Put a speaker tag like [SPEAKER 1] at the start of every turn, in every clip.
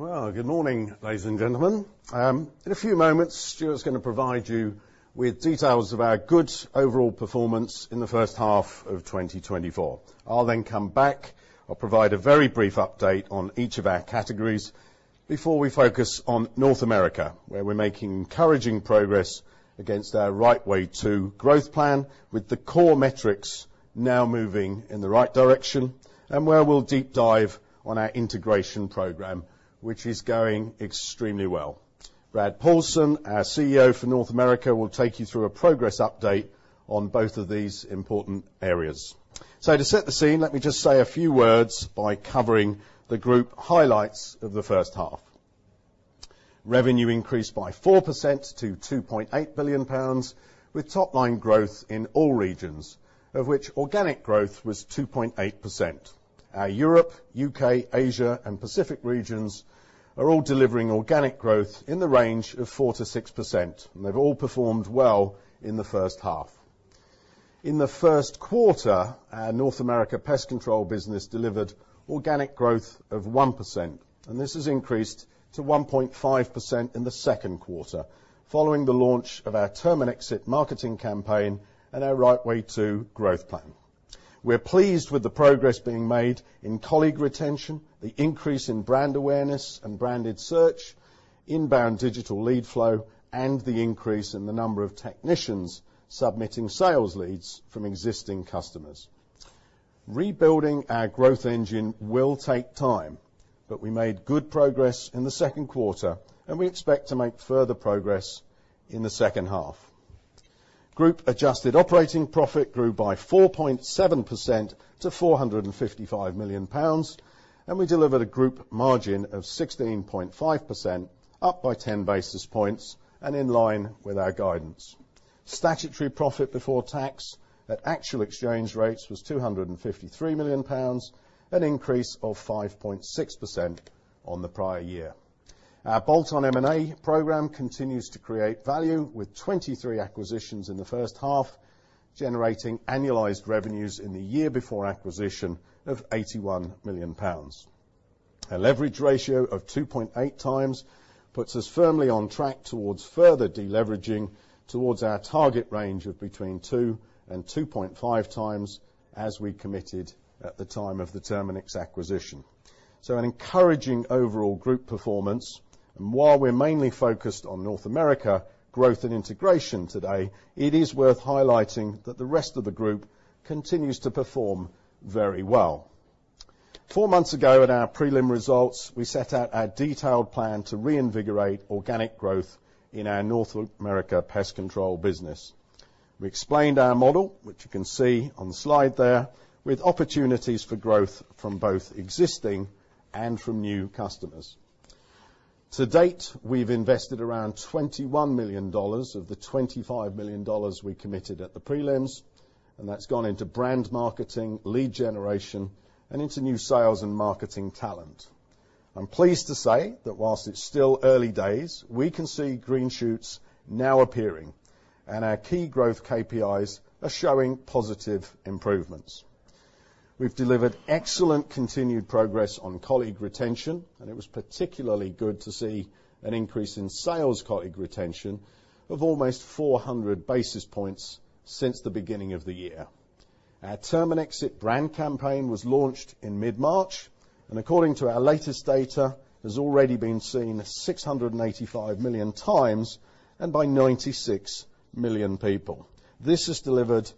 [SPEAKER 1] Well, good morning, ladies and gentlemen. In a few moments, Stuart's going to provide you with details of our good overall performance in the first half of 2024. I'll then come back. I'll provide a very brief update on each of our categories before we focus on North America, where we're making encouraging progress against our Right Way 2 growth plan, with the core metrics now moving in the right direction, and where we'll deep dive on our integration program, which is going extremely well. Brad Paulsen, our CEO for North America, will take you through a progress update on both of these important areas. To set the scene, let me just say a few words by covering the group highlights of the first half. Revenue increased by 4% to 2.8 billion pounds, with top line growth in all regions, of which organic growth was 2.8%. Our Europe, U.K., Asia, and Pacific regions are all delivering organic growth in the range of 4%-6%, and they've all performed well in the first half. In the first quarter, our North America Pest Control business delivered organic growth of 1%, and this has increased to 1.5% in the second quarter, following the launch of our Terminix It marketing campaign and our Right Way 2 growth plan. We're pleased with the progress being made in colleague retention, the increase in brand awareness and branded search, inbound digital lead flow, and the increase in the number of technicians submitting sales leads from existing customers. Rebuilding our growth engine will take time, but we made good progress in the second quarter, and we expect to make further progress in the second half. Group adjusted operating profit grew by 4.7% to 455 million pounds, and we delivered a group margin of 16.5%, up by 10 basis points and in line with our guidance. Statutory profit before tax at actual exchange rates was 253 million pounds, an increase of 5.6% on the prior year. Our bolt-on M&A program continues to create value with 23 acquisitions in the first half, generating annualized revenues in the year before acquisition of 81 million pounds. A leverage ratio of 2.8x puts us firmly on track towards further deleveraging towards our target range of between 2x and 2.5x, as we committed at the time of the Terminix acquisition. So an encouraging overall group performance, and while we're mainly focused on North America growth and integration today, it is worth highlighting that the rest of the group continues to perform very well. Four months ago, at our prelim results, we set out our detailed plan to reinvigorate organic growth in our North America pest control business. We explained our model, which you can see on the slide there, with opportunities for growth from both existing and from new customers. To date, we've invested around $21 million of the $25 million we committed at the prelims, and that's gone into brand marketing, lead generation, and into new sales and marketing talent. I'm pleased to say that while it's still early days, we can see green shoots now appearing, and our key growth KPIs are showing positive improvements. We've delivered excellent continued progress on colleague retention, and it was particularly good to see an increase in sales colleague retention of almost 400 basis points since the beginning of the year. Our Terminix It brand campaign was launched in mid-March and, according to our latest data, has already been seen 685 million times and by 96 million people. This has delivered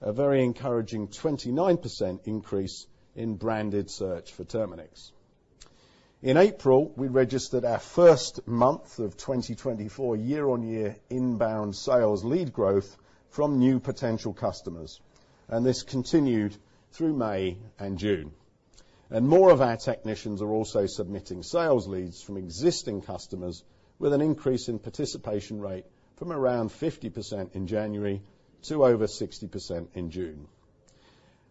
[SPEAKER 1] a very encouraging 29% increase in branded search for Terminix. In April, we registered our first month of 2024 year-on-year inbound sales lead growth from new potential customers, and this continued through May and June. More of our technicians are also submitting sales leads from existing customers with an increase in participation rate from around 50% in January to over 60% in June.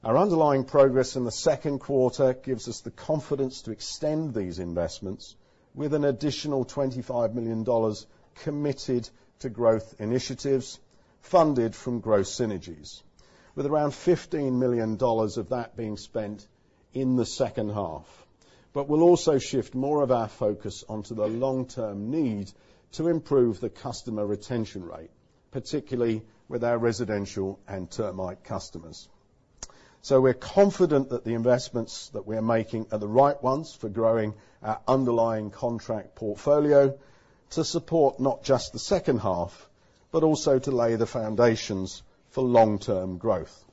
[SPEAKER 1] Our underlying progress in the second quarter gives us the confidence to extend these investments with an additional $25 million committed to growth initiatives funded from growth synergies, with around $15 million of that being spent in the second half. We'll also shift more of our focus onto the long-term need to improve the customer retention rate, particularly with our residential and termite customers. So we're confident that the investments that we're making are the right ones for growing our underlying contract portfolio to support not just the second half, but also to lay the foundations for long-term growth.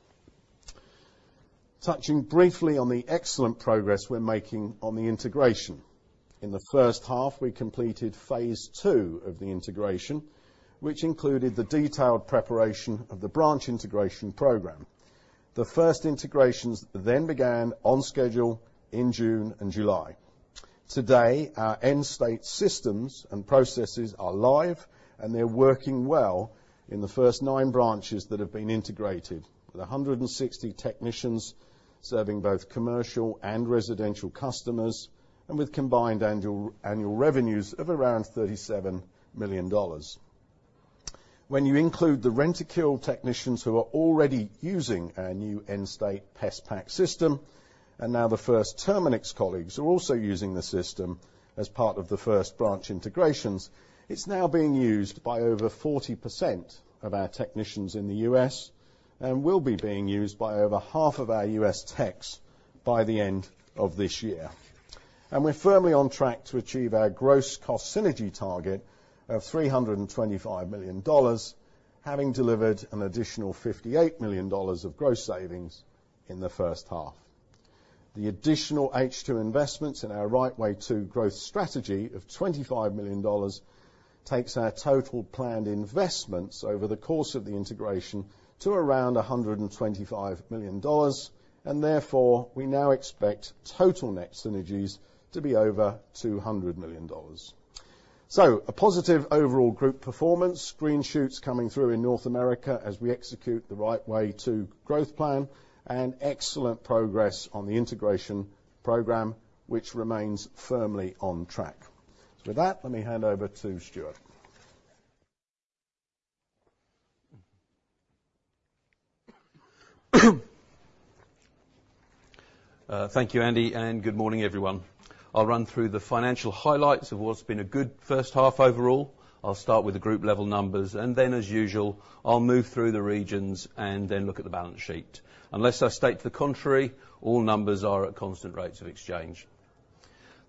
[SPEAKER 1] Touching briefly on the excellent progress we're making on the integration. In the first half, we completed phase II of the integration, which included the detailed preparation of the branch integration program. The first integrations then began on schedule in June and July. Today, our end-state systems and processes are live, and they're working well in the first nine branches that have been integrated, with 160 technicians serving both commercial and residential customers and with combined annual revenues of around $37 million. When you include the Rentokil technicians who are already using our new end-state PestPac system, and now the first Terminix colleagues are also using the system as part of the first branch integrations. It's now being used by over 40% of our technicians in the U.S., and will be being used by over half of our U.S. techs by the end of this year. And we're firmly on track to achieve our gross cost synergy target of $325 million, having delivered an additional $58 million of gross savings in the first half. The additional H2 investments in our Right Way 2 growth strategy of $25 million takes our total planned investments over the course of the integration to around $125 million, and therefore, we now expect total net synergies to be over $200 million. So a positive overall group performance, green shoots coming through in North America as we execute the Right Way 2 growth plan, and excellent progress on the integration program, which remains firmly on track. So with that, let me hand over to Stuart.
[SPEAKER 2] Thank you, Andy, and good morning, everyone. I'll run through the financial highlights of what's been a good first half overall. I'll start with the group level numbers, and then, as usual, I'll move through the regions and then look at the balance sheet. Unless I state to the contrary, all numbers are at constant rates of exchange.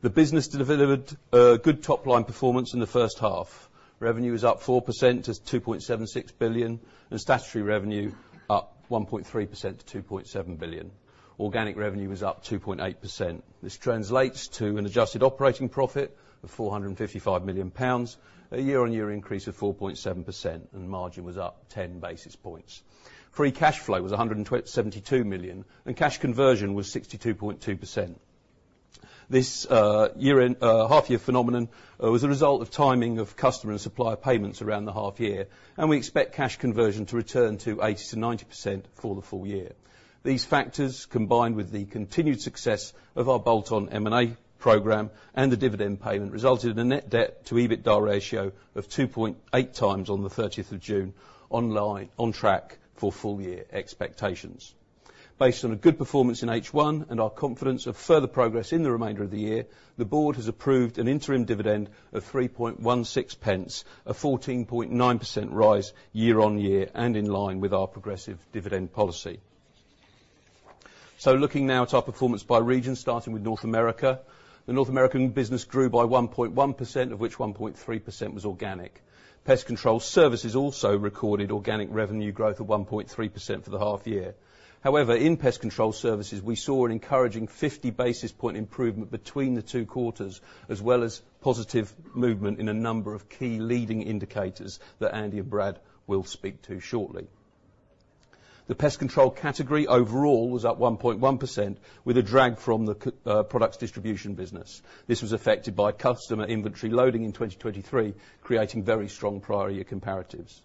[SPEAKER 2] The business delivered a good top-line performance in the first half. Revenue was up 4% to 2.76 billion, and statutory revenue up 1.3% to 2.7 billion. Organic revenue was up 2.8%. This translates to an adjusted operating profit of 455 million pounds, a year-on-year increase of 4.7%, and margin was up ten basis points. Free cash flow was 172 million, and cash conversion was 62.2%. This year-end half-year phenomenon was a result of timing of customer and supplier payments around the half-year, and we expect cash conversion to return to 80%-90% for the full year. These factors, combined with the continued success of our bolt-on M&A program and the dividend payment, resulted in a net debt to EBITDA ratio of 2.8x on June 30th, on track for full-year expectations. Based on a good performance in H1 and our confidence of further progress in the remainder of the year, the board has approved an interim dividend of 3.16 pence, a 14.9% rise year-on-year, and in line with our progressive dividend policy. Looking now at our performance by region, starting with North America. The North American business grew by 1.1%, of which 1.3% was organic. Pest Control Services also recorded organic revenue growth of 1.3% for the half year. However, in Pest Control Services, we saw an encouraging 50 basis point improvement between the two quarters, as well as positive movement in a number of key leading indicators that Andy and Brad will speak to shortly. The pest control category overall was up 1.1%, with a drag from the products distribution business. This was affected by customer inventory loading in 2023, creating very strong prior year comparatives.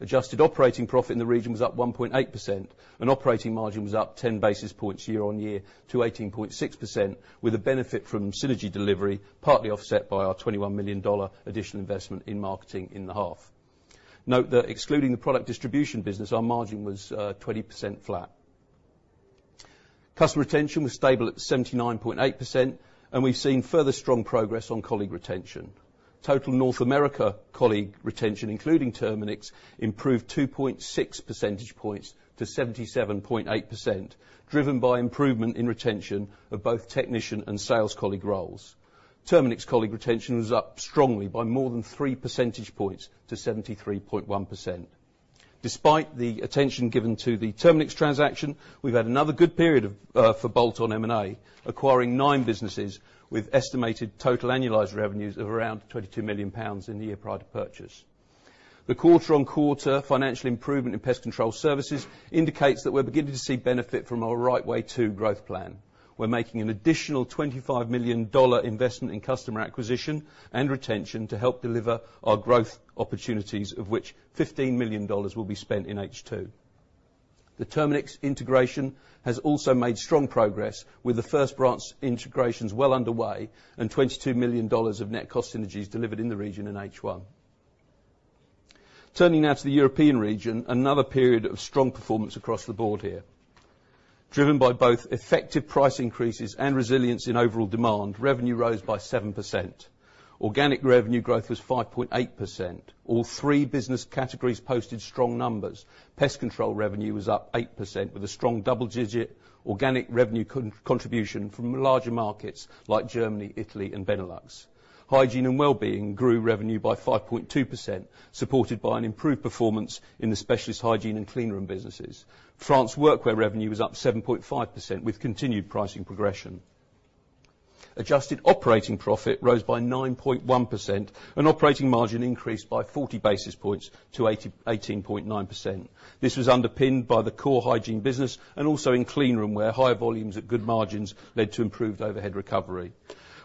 [SPEAKER 2] Adjusted operating profit in the region was up 1.8%, and operating margin was up 10 basis points year-on-year to 18.6%, with a benefit from synergy delivery, partly offset by our $21 million additional investment in marketing in the half. Note that excluding the product distribution business, our margin was 20% flat. Customer retention was stable at 79.8%, and we've seen further strong progress on colleague retention. Total North America colleague retention, including Terminix, improved 2.6 percentage points to 77.8%, driven by improvement in retention of both technician and sales colleague roles. Terminix colleague retention was up strongly by more than 3 percentage points to 73.1%. Despite the attention given to the Terminix transaction, we've had another good period of for bolt-on M&A, acquiring nine businesses with estimated total annualized revenues of around 22 million pounds in the year prior to purchase. The quarter-on-quarter financial improvement in pest control services indicates that we're beginning to see benefit from our Right Way 2 growth plan. We're making an additional $25 million investment in customer acquisition and retention to help deliver our growth opportunities, of which $15 million will be spent in H2. The Terminix integration has also made strong progress with the first branch integrations well underway and $22 million of net cost synergies delivered in the region in H1. Turning now to the European region, another period of strong performance across the board here. Driven by both effective price increases and resilience in overall demand, revenue rose by 7%. Organic revenue growth was 5.8%. All three business categories posted strong numbers. Pest control revenue was up 8%, with a strong double digit organic revenue contribution from larger markets like Germany, Italy, and Benelux. Hygiene and Wellbeing grew revenue by 5.2%, supported by an improved performance in the specialist hygiene and cleanroom businesses. France Workwear revenue was up 7.5%, with continued pricing progression. Adjusted operating profit rose by 9.1%, and operating margin increased by 40 basis points to 18.9%. This was underpinned by the core hygiene business and also in cleanroom, where higher volumes at good margins led to improved overhead recovery.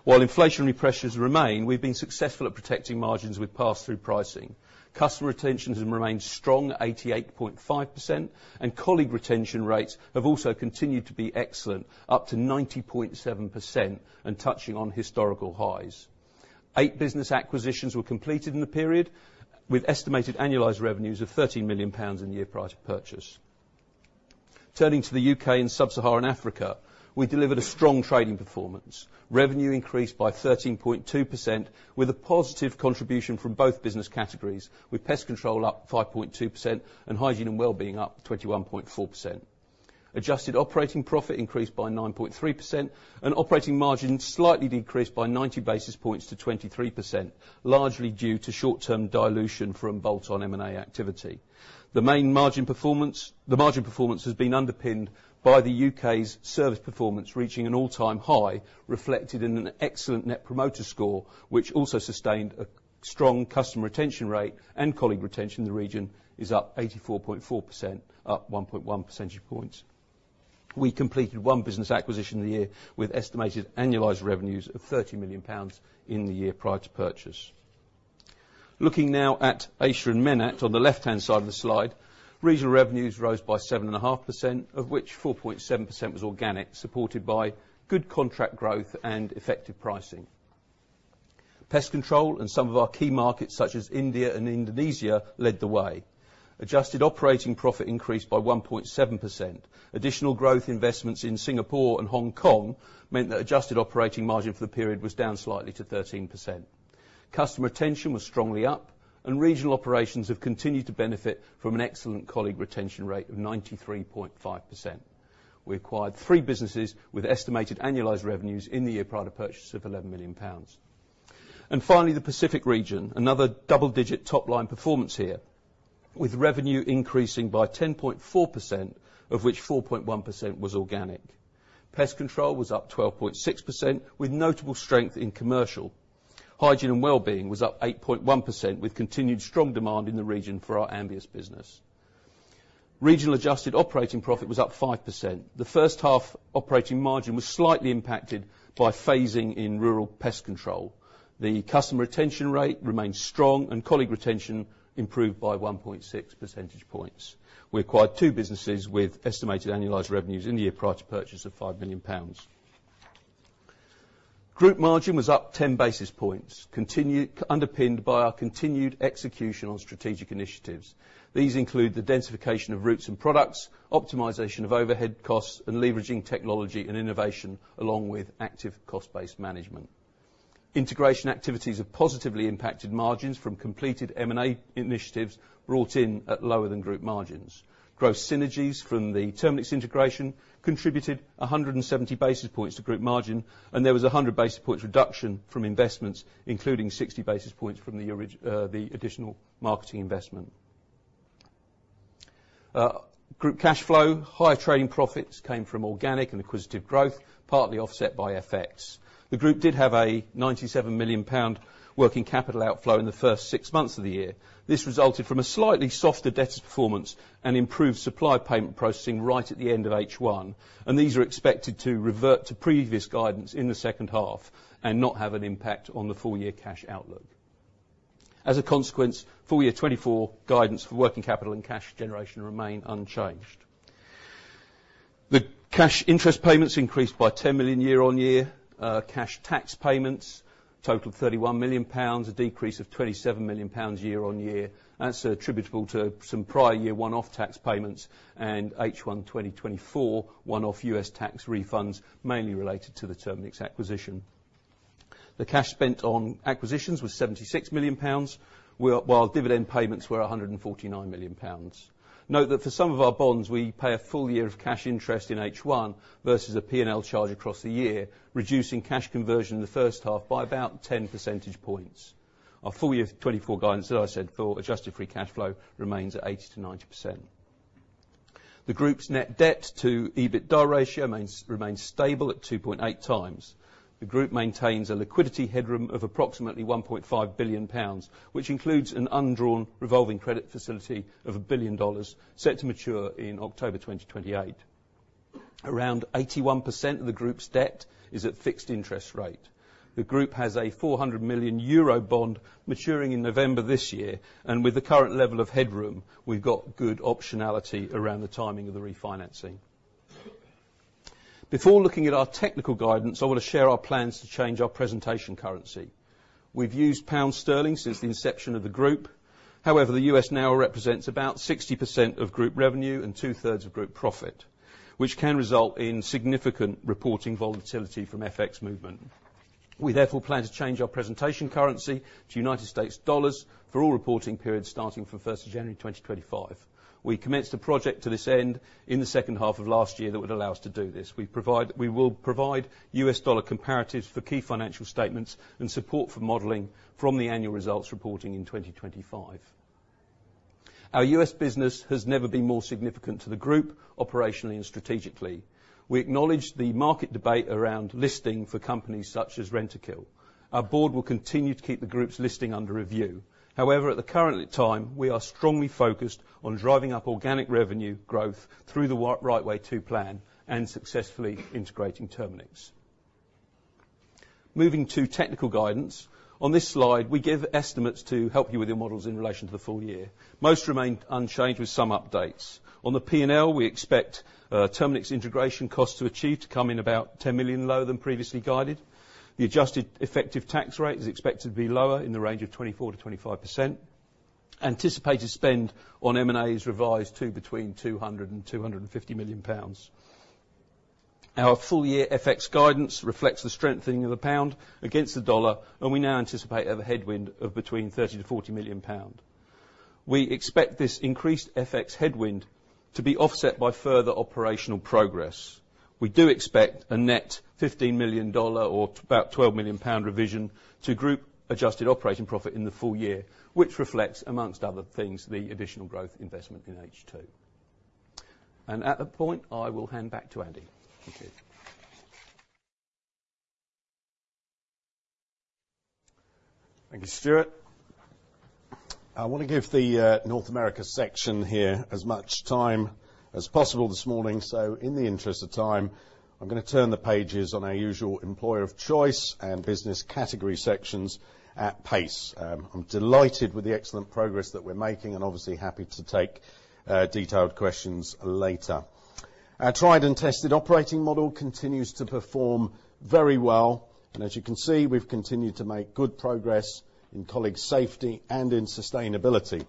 [SPEAKER 2] While inflationary pressures remain, we've been successful at protecting margins with pass-through pricing. Customer retention has remained strong at 88.5%, and colleague retention rates have also continued to be excellent, up to 90.7% and touching on historical highs. Eight business acquisitions were completed in the period, with estimated annualized revenues of 13 million pounds in the year prior to purchase. Turning to the U.K. and Sub-Saharan Africa, we delivered a strong trading performance. Revenue increased by 13.2%, with a positive contribution from both business categories, with pest control up 5.2% and Hygiene and Wellbeing up 21.4%. Adjusted operating profit increased by 9.3%, and operating margin slightly decreased by 90 basis points to 23%, largely due to short-term dilution from bolt-on M&A activity. The main margin performance—the margin performance has been underpinned by the U.K.'s service performance, reaching an all-time high, reflected in an excellent Net Promoter Score, which also sustained a strong customer retention rate and colleague retention in the region is up 84.4%, up 1.1 percentage points. We completed one business acquisition in the year, with estimated annualized revenues of 30 million pounds in the year prior to purchase. Looking now at Asia and MENAT on the left-hand side of the slide, regional revenues rose by 7.5%, of which 4.7% was organic, supported by good contract growth and effective pricing. Pest control in some of our key markets, such as India and Indonesia, led the way. Adjusted operating profit increased by 1.7%. Additional growth investments in Singapore and Hong Kong meant that adjusted operating margin for the period was down slightly to 13%. Customer retention was strongly up, and regional operations have continued to benefit from an excellent colleague retention rate of 93.5%. We acquired three businesses with estimated annualized revenues in the year prior to purchase of 11 million pounds. Finally, the Pacific region. Another double-digit top-line performance here, with revenue increasing by 10.4%, of which 4.1% was organic. Pest control was up 12.6%, with notable strength in commercial. Hygiene and Wellbeing was up 8.1%, with continued strong demand in the region for our Ambius business. Regional adjusted operating profit was up 5%. The first half operating margin was slightly impacted by phasing in rural pest control. The customer retention rate remained strong, and colleague retention improved by 1.6 percentage points. We acquired two businesses with estimated annualized revenues in the year prior to purchase of 5 million pounds. Group margin was up 10 basis points, underpinned by our continued execution on strategic initiatives. These include the densification of routes and products, optimization of overhead costs, and leveraging technology and innovation, along with active cost-based management. Integration activities have positively impacted margins from completed M&A initiatives brought in at lower-than-group margins. Gross synergies from the Terminix integration contributed 170 basis points to group margin, and there was 100 basis points reduction from investments, including 60 basis points from the additional marketing investment. Group cash flow. Higher trading profits came from organic and acquisitive growth, partly offset by FX. The group did have a 97 million pound working capital outflow in the first six months of the year. This resulted from a slightly softer debtors performance and improved supply payment processing right at the end of H1, and these are expected to revert to previous guidance in the second half and not have an impact on the full-year cash outlook. As a consequence, full-year 2024 guidance for working capital and cash generation remain unchanged. The cash interest payments increased by 10 million year-on-year. Cash tax payments, total of 31 million pounds, a decrease of 27 million pounds year-on-year. That's attributable to some prior year one-off tax payments and H1 2024 one-off U.S. tax refunds, mainly related to the Terminix acquisition. The cash spent on acquisitions was 76 million pounds, while dividend payments were 149 million pounds. Note that for some of our bonds, we pay a full year of cash interest in H1 versus a P&L charge across the year, reducing cash conversion in the first half by about 10 percentage points. Our full-year 2024 guidance, as I said, for adjusted free cash flow remains at 80%-90%. The group's net debt to EBITDA ratio remains stable at 2.8x. The group maintains a liquidity headroom of approximately 1.5 billion pounds, which includes an undrawn revolving credit facility of $1 billion, set to mature in October 2028. Around 81% of the group's debt is at fixed interest rate. The group has a 400 million euro bond maturing in November this year, and with the current level of headroom, we've got good optionality around the timing of the refinancing. Before looking at our technical guidance, I want to share our plans to change our presentation currency. We've used pound sterling since the inception of the group. However, the U.S. now represents about 60% of group revenue and 2/3 of group profit, which can result in significant reporting volatility from FX movement. We therefore plan to change our presentation currency to US dollars for all reporting periods starting from January 1st, 2025. We commenced a project to this end in the second half of last year that would allow us to do this. We will provide US dollar comparatives for key financial statements and support for modeling from the annual results reporting in 2025. Our U.S. business has never been more significant to the group, operationally and strategically. We acknowledge the market debate around listing for companies such as Rentokil. Our board will continue to keep the group's listing under review. However, at the current time, we are strongly focused on driving up organic revenue growth through the Right Way 2 plan and successfully integrating Terminix. Moving to technical guidance. On this slide, we give estimates to help you with your models in relation to the full year. Most remain unchanged, with some updates. On the P&L, we expect, Terminix integration costs to achieve to come in about 10 million lower than previously guided. The adjusted effective tax rate is expected to be lower in the range of 24%-25%.... anticipated spend on M&A is revised to between 200 million pounds and GBP 250 million. Our full year FX guidance reflects the strengthening of the pound against the dollar, and we now anticipate a headwind of between 30 million-40 million pounds. We expect this increased FX headwind to be offset by further operational progress. We do expect a net $15 million or about GBP 12 million revision to group adjusted operating profit in the full year, which reflects, among other things, the additional growth investment in H2. At that point, I will hand back to Andy. Thank you.
[SPEAKER 1] Thank you, Stuart. I want to give the North America section here as much time as possible this morning. In the interest of time, I'm going to turn the pages on our usual employer of choice and business category sections at pace. I'm delighted with the excellent progress that we're making and obviously happy to take detailed questions later. Our tried and tested operating model continues to perform very well, and as you can see, we've continued to make good progress in colleague safety and in sustainability.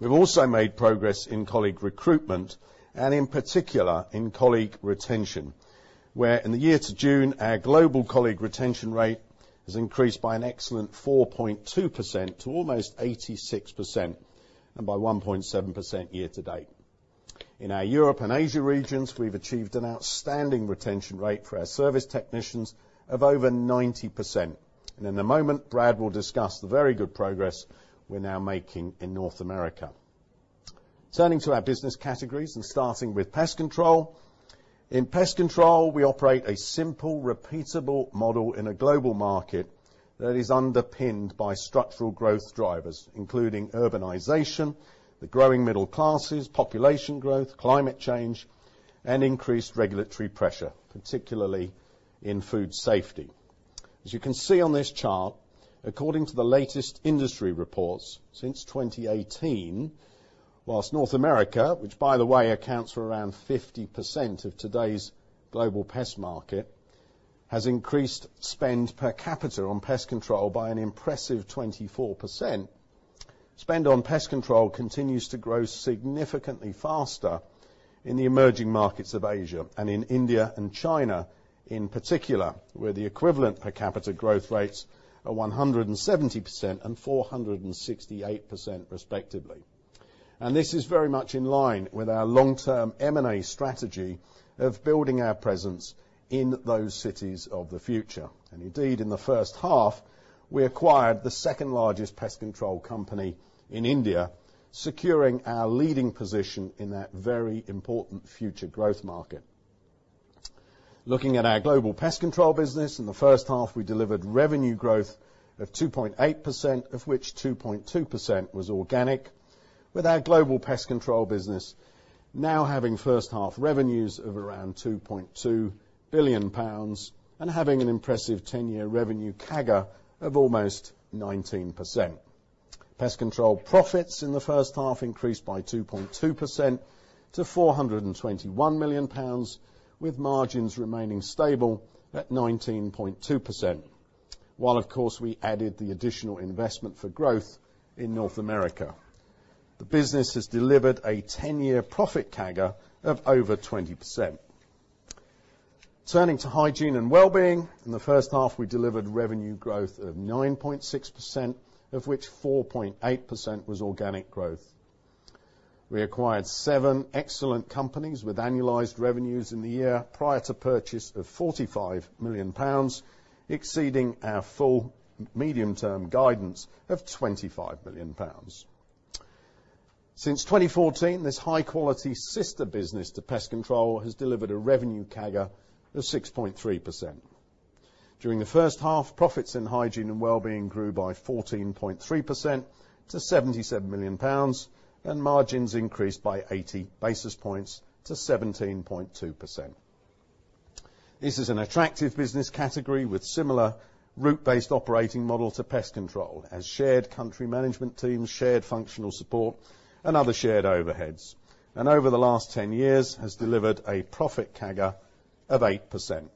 [SPEAKER 1] We've also made progress in colleague recruitment, and in particular, in colleague retention, where in the year to June, our global colleague retention rate has increased by an excellent 4.2% to almost 86%, and by 1.7% year-to-date. In our Europe and Asia regions, we've achieved an outstanding retention rate for our service technicians of over 90%, and in a moment, Brad will discuss the very good progress we're now making in North America. Turning to our business categories and starting with pest control. In pest control, we operate a simple, repeatable model in a global market that is underpinned by structural growth drivers, including urbanization, the growing middle classes, population growth, climate change, and increased regulatory pressure, particularly in food safety. As you can see on this chart, according to the latest industry reports, since 2018, while North America, which by the way, accounts for around 50% of today's global pest market, has increased spend per capita on pest control by an impressive 24%. Spend on pest control continues to grow significantly faster in the emerging markets of Asia and in India and China, in particular, where the equivalent per capita growth rates are 170% and 468% respectively. This is very much in line with our long-term M&A strategy of building our presence in those cities of the future. Indeed, in the first half, we acquired the second-largest pest control company in India, securing our leading position in that very important future growth market. Looking at our global pest control business, in the first half, we delivered revenue growth of 2.8%, of which 2.2% was organic, with our global pest control business now having first half revenues of around 2.2 billion pounds and having an impressive 10-year revenue CAGR of almost 19%. Pest control profits in the first half increased by 2.2% to 421 million pounds, with margins remaining stable at 19.2%. While, of course, we added the additional investment for growth in North America. The business has delivered a 10-year profit CAGR of over 20%. Turning to Hygiene and Wellbeing, in the first half, we delivered revenue growth of 9.6%, of which 4.8% was organic growth. We acquired seven excellent companies with annualized revenues in the year prior to purchase of 45 million pounds, exceeding our full medium-term guidance of 25 million pounds. Since 2014, this high-quality sister business to pest control has delivered a revenue CAGR of 6.3%. During the first half, profits inHygiene and Wellbeing grew by 14.3% to 77 million pounds, and margins increased by 80 basis points to 17.2%. This is an attractive business category with similar route-based operating model to pest control, as shared country management teams, shared functional support, and other shared overheads, and over the last 10 years has delivered a profit CAGR of 8%.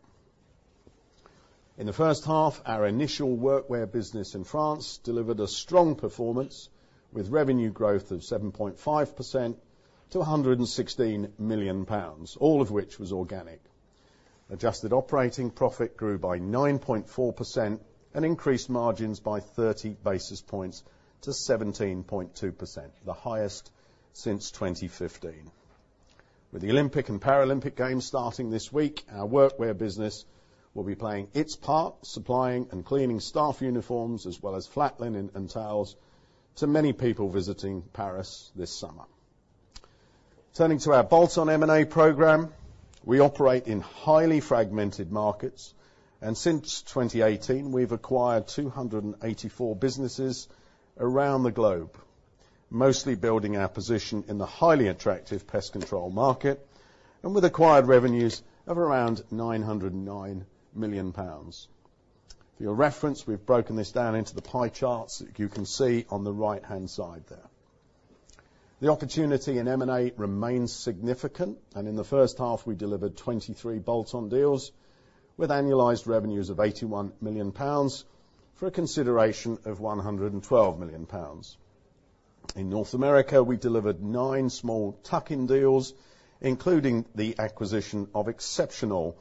[SPEAKER 1] In the first half, our Initial Workwear business in France delivered a strong performance, with revenue growth of 7.5% to 116 million pounds, all of which was organic. Adjusted operating profit grew by 9.4% and increased margins by 30 basis points to 17.2%, the highest since 2015. With the Olympic and Paralympic Games starting this week, our Workwear business will be playing its part, supplying and cleaning staff uniforms as well as flat linen and towels to many people visiting Paris this summer. Turning to our bolt-on M&A program, we operate in highly fragmented markets, and since 2018, we've acquired 284 businesses around the globe, mostly building our position in the highly attractive pest control market and with acquired revenues of around 909 million pounds. For your reference, we've broken this down into the pie charts that you can see on the right-hand side there.... The opportunity in M&A remains significant, and in the first half, we delivered 23 bolt-on deals with annualized revenues of 81 million pounds for a consideration of 112 million pounds. In North America, we delivered nine small tuck-in deals, including the acquisition of Xceptional,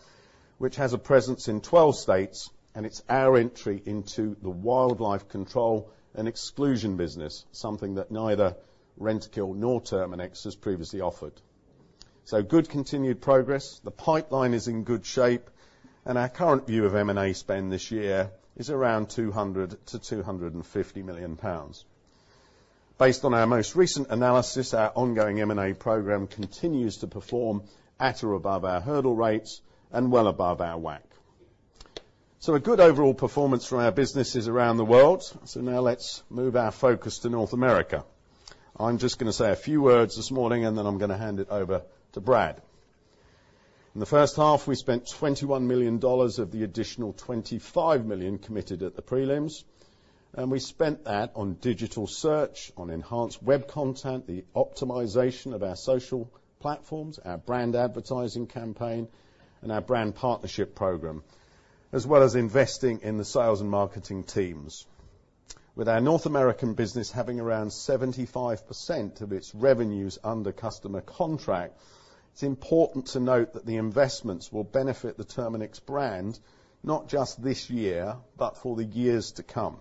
[SPEAKER 1] which has a presence in 12 states, and it's our entry into the wildlife control and exclusion business, something that neither Rentokil nor Terminix has previously offered. So good continued progress. The pipeline is in good shape, and our current view of M&A spend this year is around 200 million-250 million pounds. Based on our most recent analysis, our ongoing M&A program continues to perform at or above our hurdle rates and well above our WACC. So a good overall performance from our businesses around the world. So now let's move our focus to North America. I'm just gonna say a few words this morning, and then I'm gonna hand it over to Brad. In the first half, we spent $21 million of the additional $25 million committed at the prelims, and we spent that on digital search, on enhanced web content, the optimization of our social platforms, our brand advertising campaign, and our brand partnership program, as well as investing in the sales and marketing teams. With our North American business having around 75% of its revenues under customer contract, it's important to note that the investments will benefit the Terminix brand, not just this year, but for the years to come.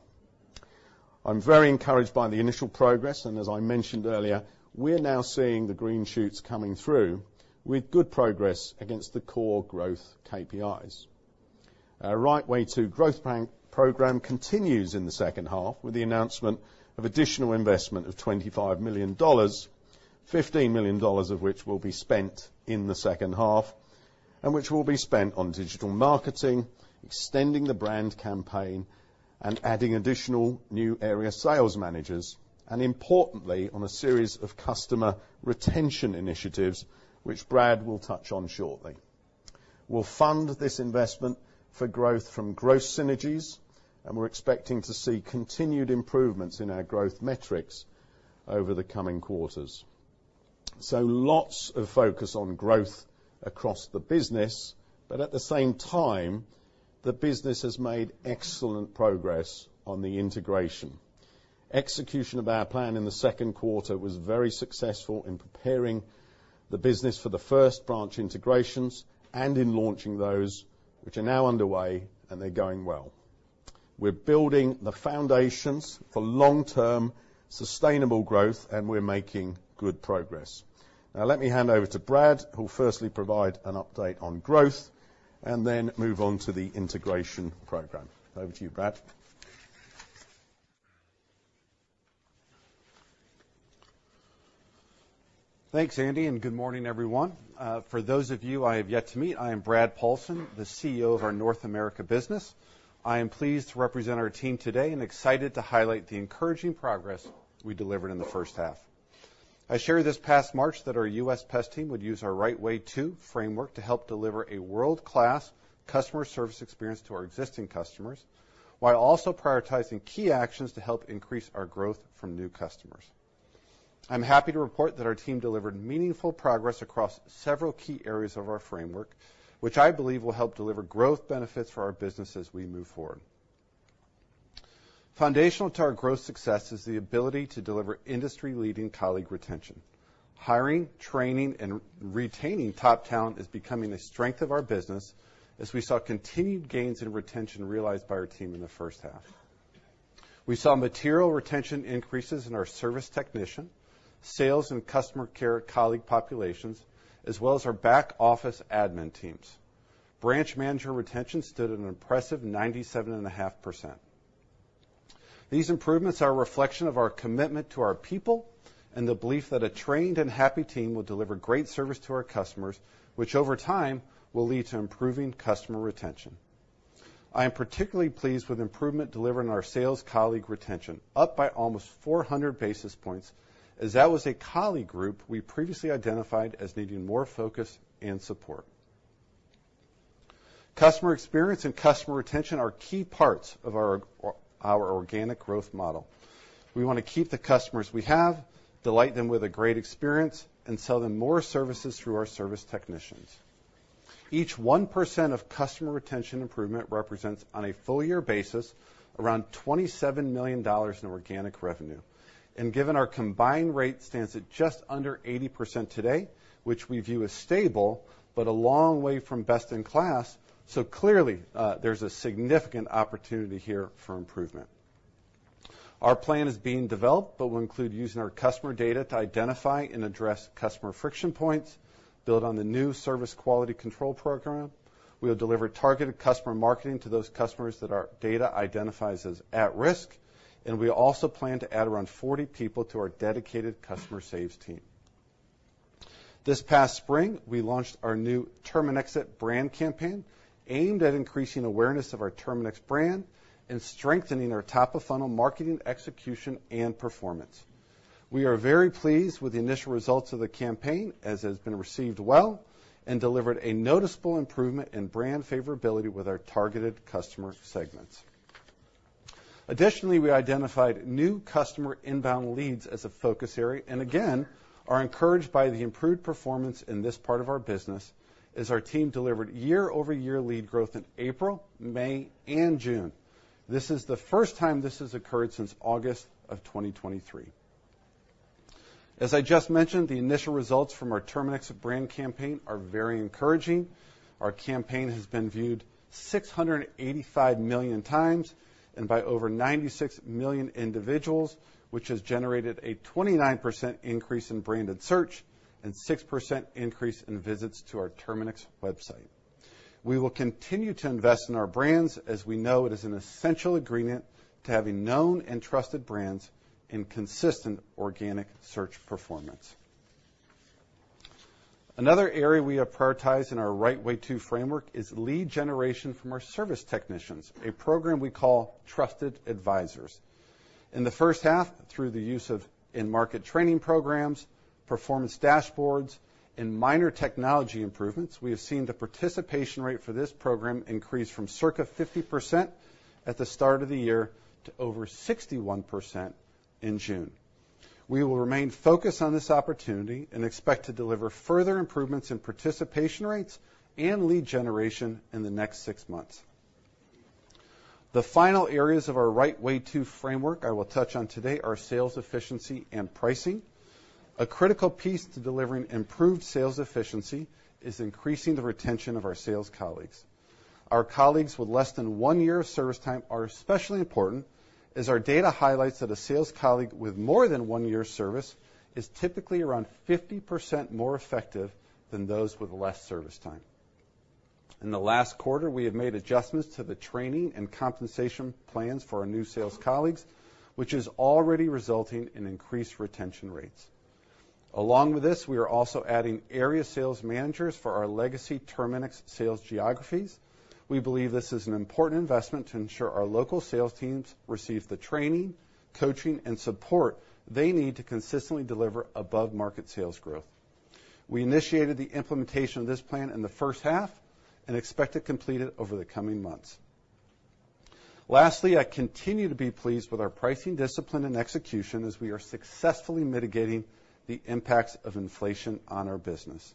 [SPEAKER 1] I'm very encouraged by the initial progress, and as I mentioned earlier, we're now seeing the green shoots coming through with good progress against the core growth KPIs. Our Right Way 2 growth plan program continues in the second half with the announcement of additional investment of $25 million, $15 million of which will be spent in the second half, and which will be spent on digital marketing, extending the brand campaign, and adding additional new area sales managers, and importantly, on a series of customer retention initiatives, which Brad will touch on shortly. We'll fund this investment for growth from growth synergies, and we're expecting to see continued improvements in our growth metrics over the coming quarters. So lots of focus on growth across the business, but at the same time, the business has made excellent progress on the integration. Execution of our plan in the second quarter was very successful in preparing the business for the first branch integrations and in launching those which are now underway, and they're going well. We're building the foundations for long-term, sustainable growth, and we're making good progress. Now, let me hand over to Brad, who will firstly provide an update on growth and then move on to the integration program. Over to you, Brad.
[SPEAKER 3] Thanks, Andy, and good morning, everyone. For those of you I have yet to meet, I am Brad Paulsen, the CEO of our North America business. I am pleased to represent our team today and excited to highlight the encouraging progress we delivered in the first half. I shared this past March that our U.S. pest team would use our Right Way 2 framework to help deliver a world-class customer service experience to our existing customers, while also prioritizing key actions to help increase our growth from new customers. I'm happy to report that our team delivered meaningful progress across several key areas of our framework, which I believe will help deliver growth benefits for our business as we move forward. Foundational to our growth success is the ability to deliver industry-leading colleague retention. Hiring, training, and retaining top talent is becoming a strength of our business as we saw continued gains in retention realized by our team in the first half. We saw material retention increases in our service technician, sales and customer care colleague populations, as well as our back-office admin teams. Branch manager retention stood at an impressive 97.5%. These improvements are a reflection of our commitment to our people and the belief that a trained and happy team will deliver great service to our customers, which over time, will lead to improving customer retention. I am particularly pleased with improvement delivered in our sales colleague retention, up by almost 400 basis points, as that was a colleague group we previously identified as needing more focus and support. Customer experience and customer retention are key parts of our organic growth model. We want to keep the customers we have, delight them with a great experience, and sell them more services through our service technicians. Each 1% of customer retention improvement represents, on a full year basis, around $27 million in organic revenue, and given our combined rate stands at just under 80% today, which we view as stable, but a long way from best in class. So clearly, there's a significant opportunity here for improvement. Our plan is being developed, but will include using our customer data to identify and address customer friction points, build on the new service quality control program. We will deliver targeted customer marketing to those customers that our data identifies as at risk, and we also plan to add around 40 people to our dedicated customer saves team. This past spring, we launched our new Terminix It brand campaign, aimed at increasing awareness of our Terminix brand and strengthening our top-of-funnel marketing, execution, and performance. We are very pleased with the initial results of the campaign, as it has been received well and delivered a noticeable improvement in brand favorability with our targeted customer segments. Additionally, we identified new customer inbound leads as a focus area, and again, are encouraged by the improved performance in this part of our business as our team delivered year-over-year lead growth in April, May and June. This is the first time this has occurred since August of 2023. As I just mentioned, the initial results from our Terminix brand campaign are very encouraging. Our campaign has been viewed 685 million times and by over 96 million individuals, which has generated a 29% increase in branded search and 6% increase in visits to our Terminix website. We will continue to invest in our brands, as we know it is an essential agreement to having known and trusted brands in consistent organic search performance. Another area we have prioritized in our Right Way 2 framework is lead generation from our service technicians, a program we call Trusted Advisors. In the first half, through the use of in-market training programs, performance dashboards and minor technology improvements, we have seen the participation rate for this program increase from circa 50% at the start of the year to over 61% in June. We will remain focused on this opportunity and expect to deliver further improvements in participation rates and lead generation in the next six months. The final areas of our Right Way 2 framework I will touch on today are sales efficiency and pricing. A critical piece to delivering improved sales efficiency is increasing the retention of our sales colleagues. Our colleagues with less than one year of service time are especially important, as our data highlights that a sales colleague with more than one year of service is typically around 50% more effective than those with less service time. In the last quarter, we have made adjustments to the training and compensation plans for our new sales colleagues, which is already resulting in increased retention rates. Along with this, we are also adding area sales managers for our legacy Terminix sales geographies. We believe this is an important investment to ensure our local sales teams receive the training, coaching, and support they need to consistently deliver above-market sales growth. We initiated the implementation of this plan in the first half and expect to complete it over the coming months. Lastly, I continue to be pleased with our pricing discipline and execution as we are successfully mitigating the impacts of inflation on our business.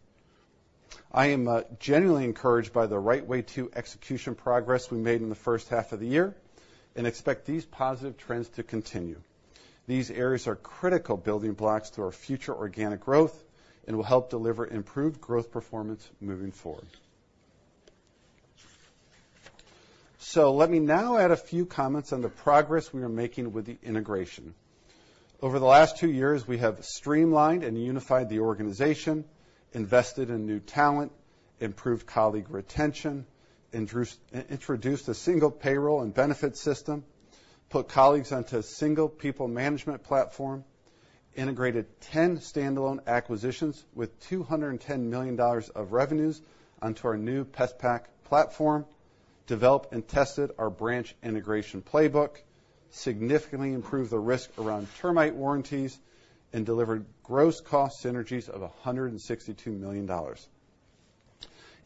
[SPEAKER 3] I am genuinely encouraged by the Right Way 2 execution progress we made in the first half of the year and expect these positive trends to continue. These areas are critical building blocks to our future organic growth and will help deliver improved growth performance moving forward. Let me now add a few comments on the progress we are making with the integration. Over the last two years, we have streamlined and unified the organization, invested in new talent, improved colleague retention, introduced a single payroll and benefit system, put colleagues onto a single people management platform, integrated 10 standalone acquisitions with $210 million of revenues onto our new PestPac platform, developed and tested our branch integration playbook, significantly improved the risk around termite warranties, and delivered gross cost synergies of $162 million.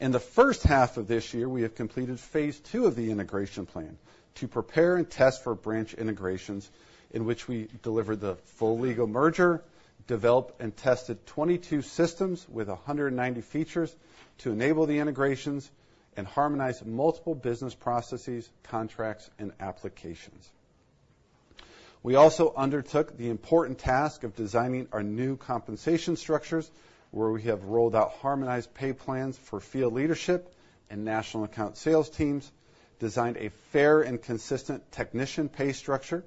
[SPEAKER 3] In the first half of this year, we have completed phase two of the integration plan to prepare and test for branch integrations, in which we delivered the full legal merger, developed and tested 22 systems with 190 features to enable the integrations and harmonize multiple business processes, contracts and applications. We also undertook the important task of designing our new compensation structures, where we have rolled out harmonized pay plans for field leadership and national account sales teams, designed a fair and consistent technician pay structure,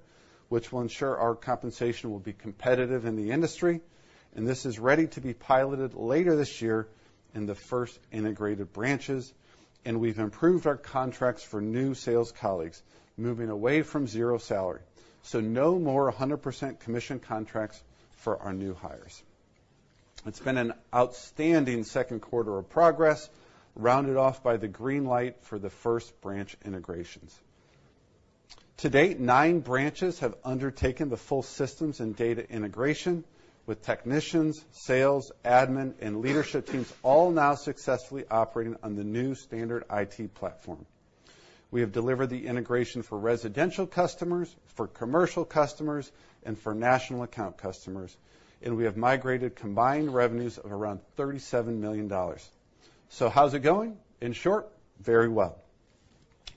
[SPEAKER 3] which will ensure our compensation will be competitive in the industry, and this is ready to be piloted later this year in the first integrated branches. We've improved our contracts for new sales colleagues, moving away from zero salary, so no more 100% commission contracts for our new hires. It's been an outstanding second quarter of progress, rounded off by the green light for the first branch integrations. To date, nine branches have undertaken the full systems and data integration, with technicians, sales, admin, and leadership teams all now successfully operating on the new standard IT platform. We have delivered the integration for residential customers, for commercial customers, and for national account customers, and we have migrated combined revenues of around $37 million. So how's it going? In short, very well.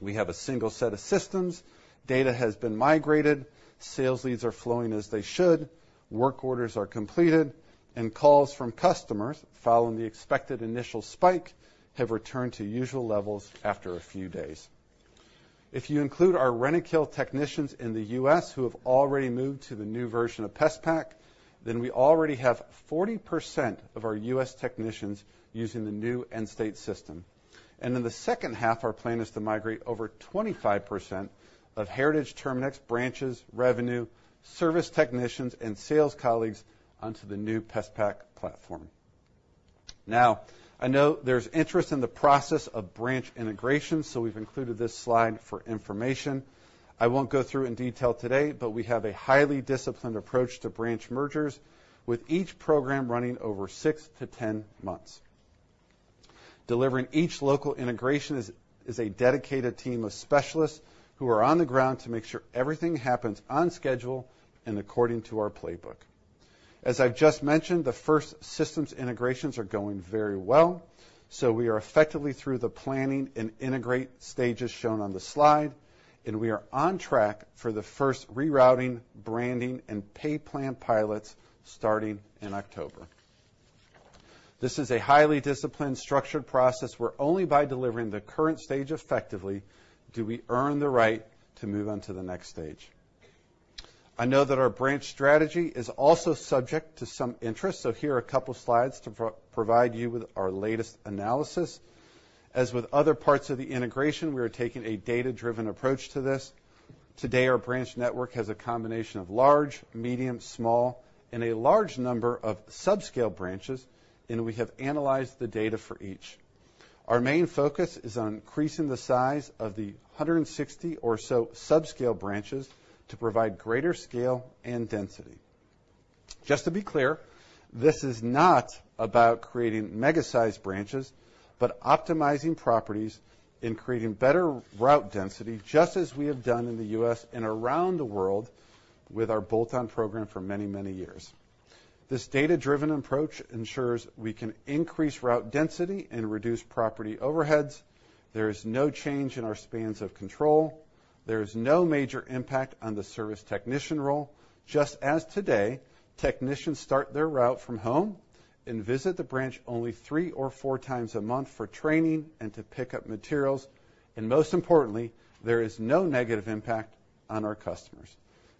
[SPEAKER 3] We have a single set of systems. Data has been migrated, sales leads are flowing as they should, work orders are completed, and calls from customers, following the expected initial spike, have returned to usual levels after a few days. If you include our Rentokil technicians in the U.S., who have already moved to the new version of PestPac, then we already have 40% of our U.S. technicians using the new end-state system. And in the second half, our plan is to migrate over 25% of heritage Terminix branches, revenue, service technicians, and sales colleagues onto the new PestPac platform. Now, I know there's interest in the process of branch integration, so we've included this slide for information. I won't go through in detail today, but we have a highly disciplined approach to branch mergers, with each program running over 6-10 months, delivering each local integration is a dedicated team of specialists who are on the ground to make sure everything happens on schedule and according to our playbook. As I've just mentioned, the first systems integrations are going very well, so we are effectively through the planning and integration stages shown on the slide, and we are on track for the first rerouting, branding, and pay plan pilots starting in October. This is a highly disciplined, structured process, where only by delivering the current stage effectively, do we earn the right to move on to the next stage. I know that our branch strategy is also subject to some interest, so here are a couple of slides to provide you with our latest analysis. As with other parts of the integration, we are taking a data-driven approach to this. Today, our branch network has a combination of large, medium, small, and a large number of subscale branches, and we have analyzed the data for each. Our main focus is on increasing the size of the 160 or so subscale branches to provide greater scale and density. Just to be clear, this is not about creating mega-sized branches, but optimizing properties and creating better route density, just as we have done in the U.S. and around the world with our bolt-on program for many, many years. This data-driven approach ensures we can increase route density and reduce property overheads. There is no change in our spans of control. There is no major impact on the service technician role. Just as today, technicians start their route from home and visit the branch only three or four times a month for training and to pick up materials. Most importantly, there is no negative impact on our customers.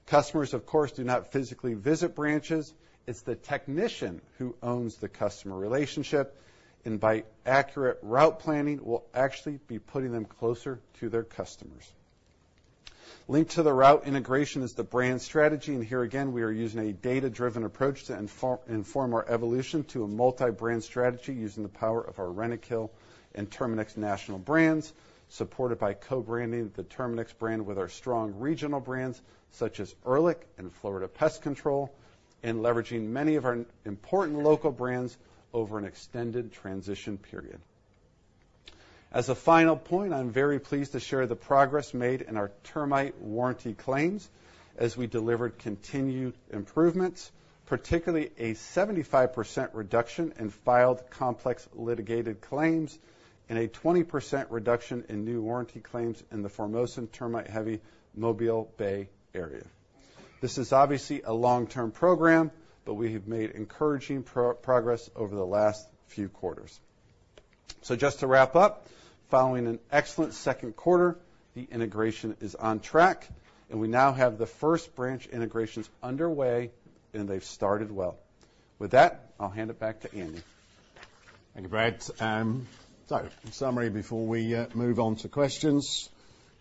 [SPEAKER 3] Customers, of course, do not physically visit branches. It's the technician who owns the customer relationship, and by accurate route planning, we'll actually be putting them closer to their customers. Linked to the route integration is the brand strategy, and here again, we are using a data-driven approach to inform our evolution to a multi-brand strategy using the power of our Rentokil and Terminix national brands, supported by co-branding the Terminix brand with our strong regional brands, such as Ehrlich and Florida Pest Control, and leveraging many of our important local brands over an extended transition period. As a final point, I'm very pleased to share the progress made in our termite warranty claims as we delivered continued improvements, particularly a 75% reduction in filed complex litigated claims and a 20% reduction in new warranty claims in the Formosan termite-heavy Mobile Bay Area. This is obviously a long-term program, but we have made encouraging progress over the last few quarters. So just to wrap up, following an excellent second quarter, the integration is on track, and we now have the first branch integrations underway, and they've started well. With that, I'll hand it back to Andy.
[SPEAKER 1] Thank you, Brad. So in summary, before we move on to questions,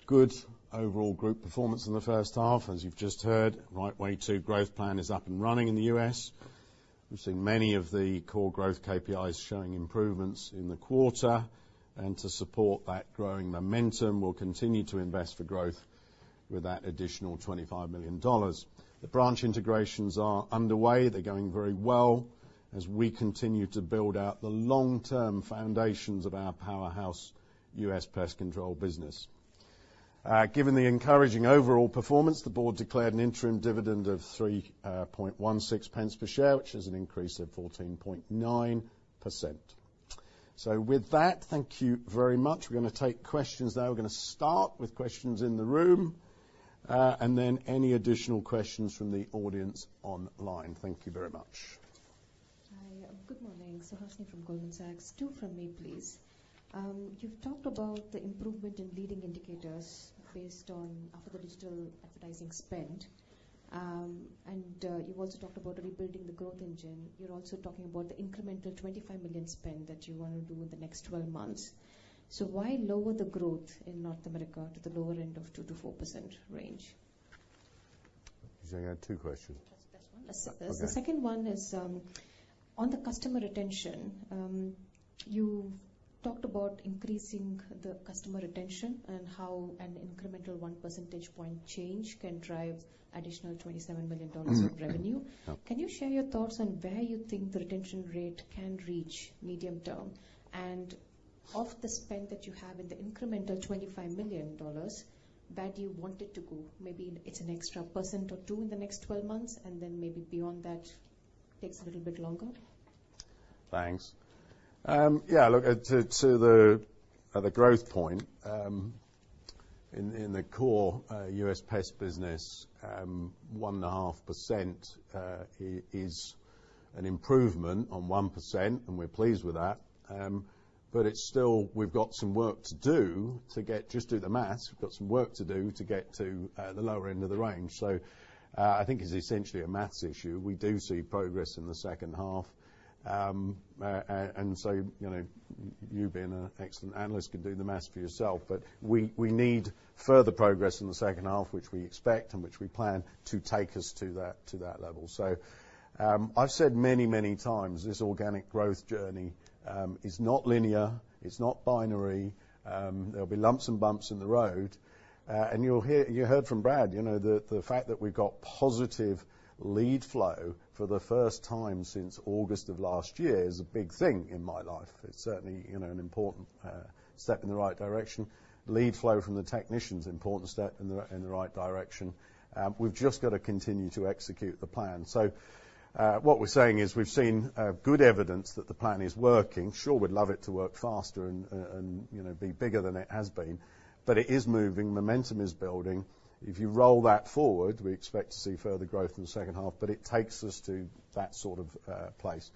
[SPEAKER 1] good overall group performance in the first half, as you've just heard. Right Way 2 growth plan is up and running in the U.S. We've seen many of the core growth KPIs showing improvements in the quarter. To support that growing momentum, we'll continue to invest for growth with that additional $25 million. The branch integrations are underway. They're going very well as we continue to build out the long-term foundations of our powerhouse U.S. pest control business. Given the encouraging overall performance, the board declared an interim dividend of 3.16 pence per share, which is an increase of 14.9%. So with that, thank you very much. We're gonna take questions now. We're gonna start with questions in the room, and then any additional questions from the audience online. Thank you very much.
[SPEAKER 4] Hi, good morning. Suhasini from Goldman Sachs. Two from me, please. You've talked about the improvement in leading indicators based on after the digital advertising spend, and you've also talked about rebuilding the growth engine. You're also talking about the incremental 25 million spend that you want to do in the next 12 months. So why lower the growth in North America to the lower end of the 2%-4% range?
[SPEAKER 1] She said you had two questions.
[SPEAKER 4] That's one.
[SPEAKER 1] Okay.
[SPEAKER 4] The second one is on the customer retention. You've talked about increasing the customer retention and how an incremental one percentage point change can drive additional $27 million-
[SPEAKER 1] Mm-hmm...
[SPEAKER 4] of revenue.
[SPEAKER 1] Yeah.
[SPEAKER 4] Can you share your thoughts on where you think the retention rate can reach medium term? And of the spend that you have in the incremental $25 million, that you want it to go, maybe it's an extra 1% or 2% in the next 12 months, and then maybe beyond that, takes a little bit longer.
[SPEAKER 1] Thanks. Yeah, look, to the growth point, in the core U.S. pest business, 1.5% is an improvement on 1%, and we're pleased with that. But it's still... We've got some work to do to get—just do the math, we've got some work to do to get to the lower end of the range. So, I think it's essentially a math issue. We do see progress in the second half. And so, you know, you being an excellent analyst can do the math for yourself. But we need further progress in the second half, which we expect and which we plan to take us to that level. So, I've said many times, this organic growth journey is not linear. It's not binary. There'll be lumps and bumps in the road. And you'll hear you heard from Brad, you know, the fact that we've got positive lead flow for the first time since August of last year is a big thing in my life. It's certainly, you know, an important step in the right direction. Lead flow from the technician is an important step in the right direction. We've just got to continue to execute the plan. So, what we're saying is, we've seen good evidence that the plan is working. Sure, we'd love it to work faster and, you know, be bigger than it has been, but it is moving. Momentum is building. If you roll that forward, we expect to see further growth in the second half, but it takes us to that sort of place.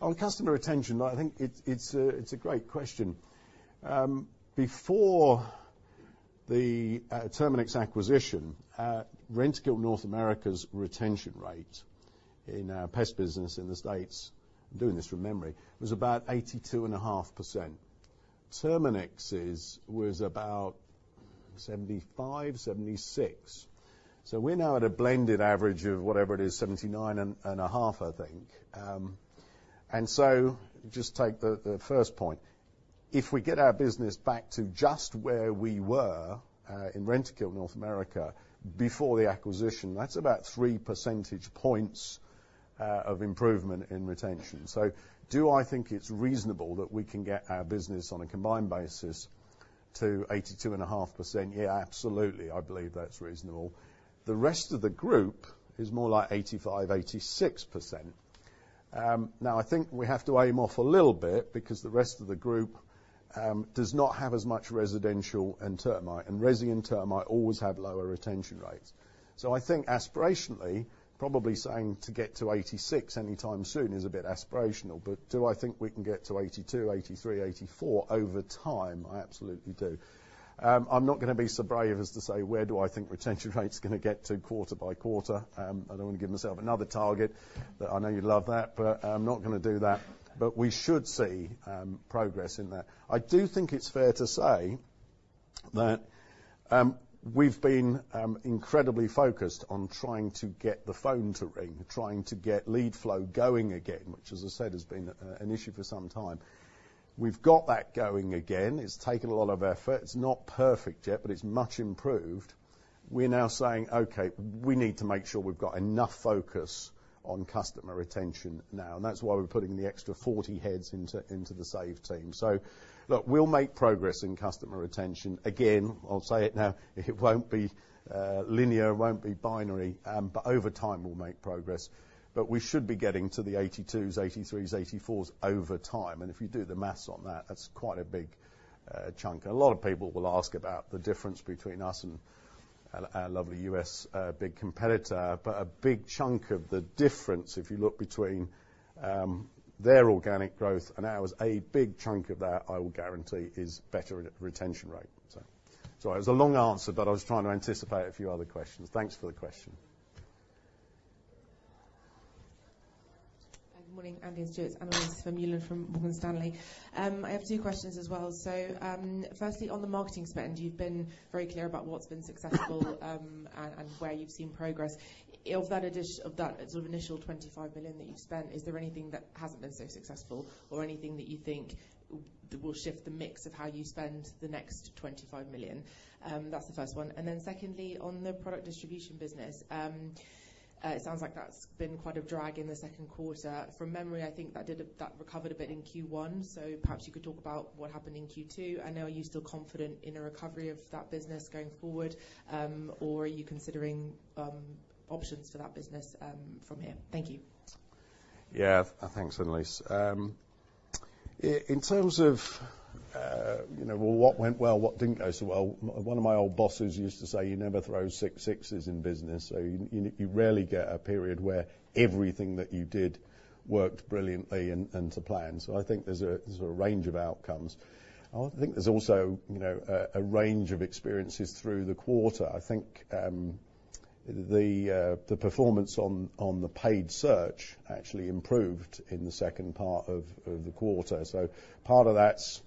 [SPEAKER 1] On customer retention, I think it's a great question. Before the Terminix acquisition, Rentokil North America's retention rate in our pest business in the States, I'm doing this from memory, was about 82.5%. Terminix's was about 75%-76%. So we're now at a blended average of whatever it is, 79.5%, I think. And so just take the first point. If we get our business back to just where we were in Rentokil North America before the acquisition, that's about 3 percentage points of improvement in retention. So do I think it's reasonable that we can get our business on a combined basis to 82.5%? Yeah, absolutely. I believe that's reasonable. The rest of the group is more like 85%-86%. Now, I think we have to aim off a little bit because the rest of the group does not have as much residential and termite, and resi and termite always have lower retention rates. So I think aspirationally, probably saying to get to 86% anytime soon is a bit aspirational, but do I think we can get to 82%, 83%, 84% over time? I absolutely do. I'm not gonna be so brave as to say, where do I think retention rate's gonna get to quarter-by-quarter? I don't want to give myself another target, but I know you'd love that, but I'm not gonna do that. But we should see progress in that. I do think it's fair to say that, we've been incredibly focused on trying to get the phone to ring, trying to get lead flow going again, which, as I said, has been an issue for some time. We've got that going again. It's taken a lot of effort. It's not perfect yet, but it's much improved. We're now saying, "Okay, we need to make sure we've got enough focus on customer retention now," and that's why we're putting the extra 40 heads into the Save Team. So look, we'll make progress in customer retention. Again, I'll say it now, it won't be linear, it won't be binary, but over time, we'll make progress. But we should be getting to the 82%, 83%, 84% over time, and if you do the math on that, that's quite a big chunk. A lot of people will ask about the difference between us and our, our lovely U.S., big competitor. But a big chunk of the difference, if you look between, their organic growth and ours, a big chunk of that, I will guarantee, is better in retention rate. So, so it was a long answer, but I was trying to anticipate a few other questions. Thanks for the question.
[SPEAKER 5] Good morning, Andy and Stuart. Annelies Vermeulen from Morgan Stanley. I have two questions as well. So, firstly, on the marketing spend, you've been very clear about what's been successful, and, and where you've seen progress. Of that addition-- of that sort of initial $25 million that you've spent, is there anything that hasn't been so successful, or anything that you think will shift the mix of how you spend the next $25 million? That's the first one. And then secondly, on the product distribution business, it sounds like that's been quite a drag in the second quarter. From memory, I think that recovered a bit in Q1, so perhaps you could talk about what happened in Q2. Are you still confident in a recovery of that business going forward, or are you considering options for that business from here? Thank you.
[SPEAKER 1] Yeah. Thanks, Annelies. In terms of, you know, well, what went well, what didn't go so well, one of my old bosses used to say, "You never throw six sixes in business," so you rarely get a period where everything that you did worked brilliantly and to plan. So I think there's a range of outcomes. I think there's also, you know, a range of experiences through the quarter. I think the performance on the paid search actually improved in the second part of the quarter. So part of that's,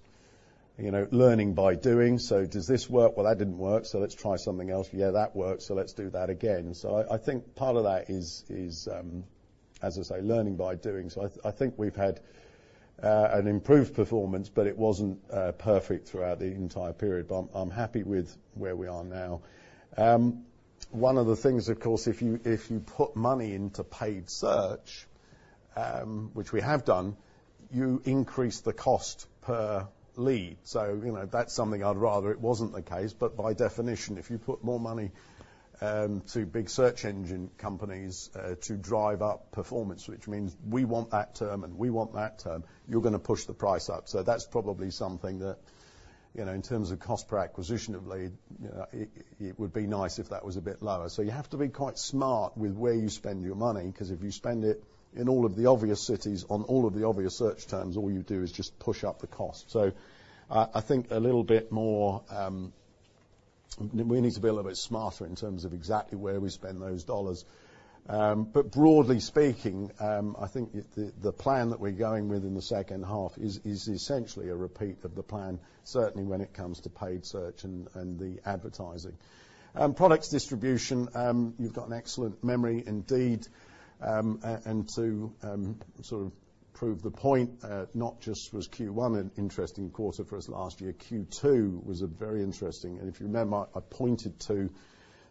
[SPEAKER 1] you know, learning by doing, so does this work? Well, that didn't work, so let's try something else. Yeah, that works, so let's do that again. So I think part of that is, as I say, learning by doing. So I think we've had an improved performance, but it wasn't perfect throughout the entire period. But I'm happy with where we are now. One of the things, of course, if you put money into paid search, which we have done, you increase the cost per lead. So, you know, that's something I'd rather it wasn't the case, but by definition, if you put more money to big search engine companies to drive up performance, which means we want that term and we want that term, you're gonna push the price up. So that's probably something that, you know, in terms of cost per acquisition of lead, it would be nice if that was a bit lower. So you have to be quite smart with where you spend your money, 'cause if you spend it in all of the obvious cities, on all of the obvious search terms, all you do is just push up the cost. So I think a little bit more... We need to be a little bit smarter in terms of exactly where we spend those dollars. But broadly speaking, I think the plan that we're going with in the second half is essentially a repeat of the plan, certainly when it comes to paid search and the advertising. Products distribution, you've got an excellent memory indeed. And to sort of prove the point, not just was Q1 an interesting quarter for us last year, Q2 was a very interesting... If you remember, I pointed to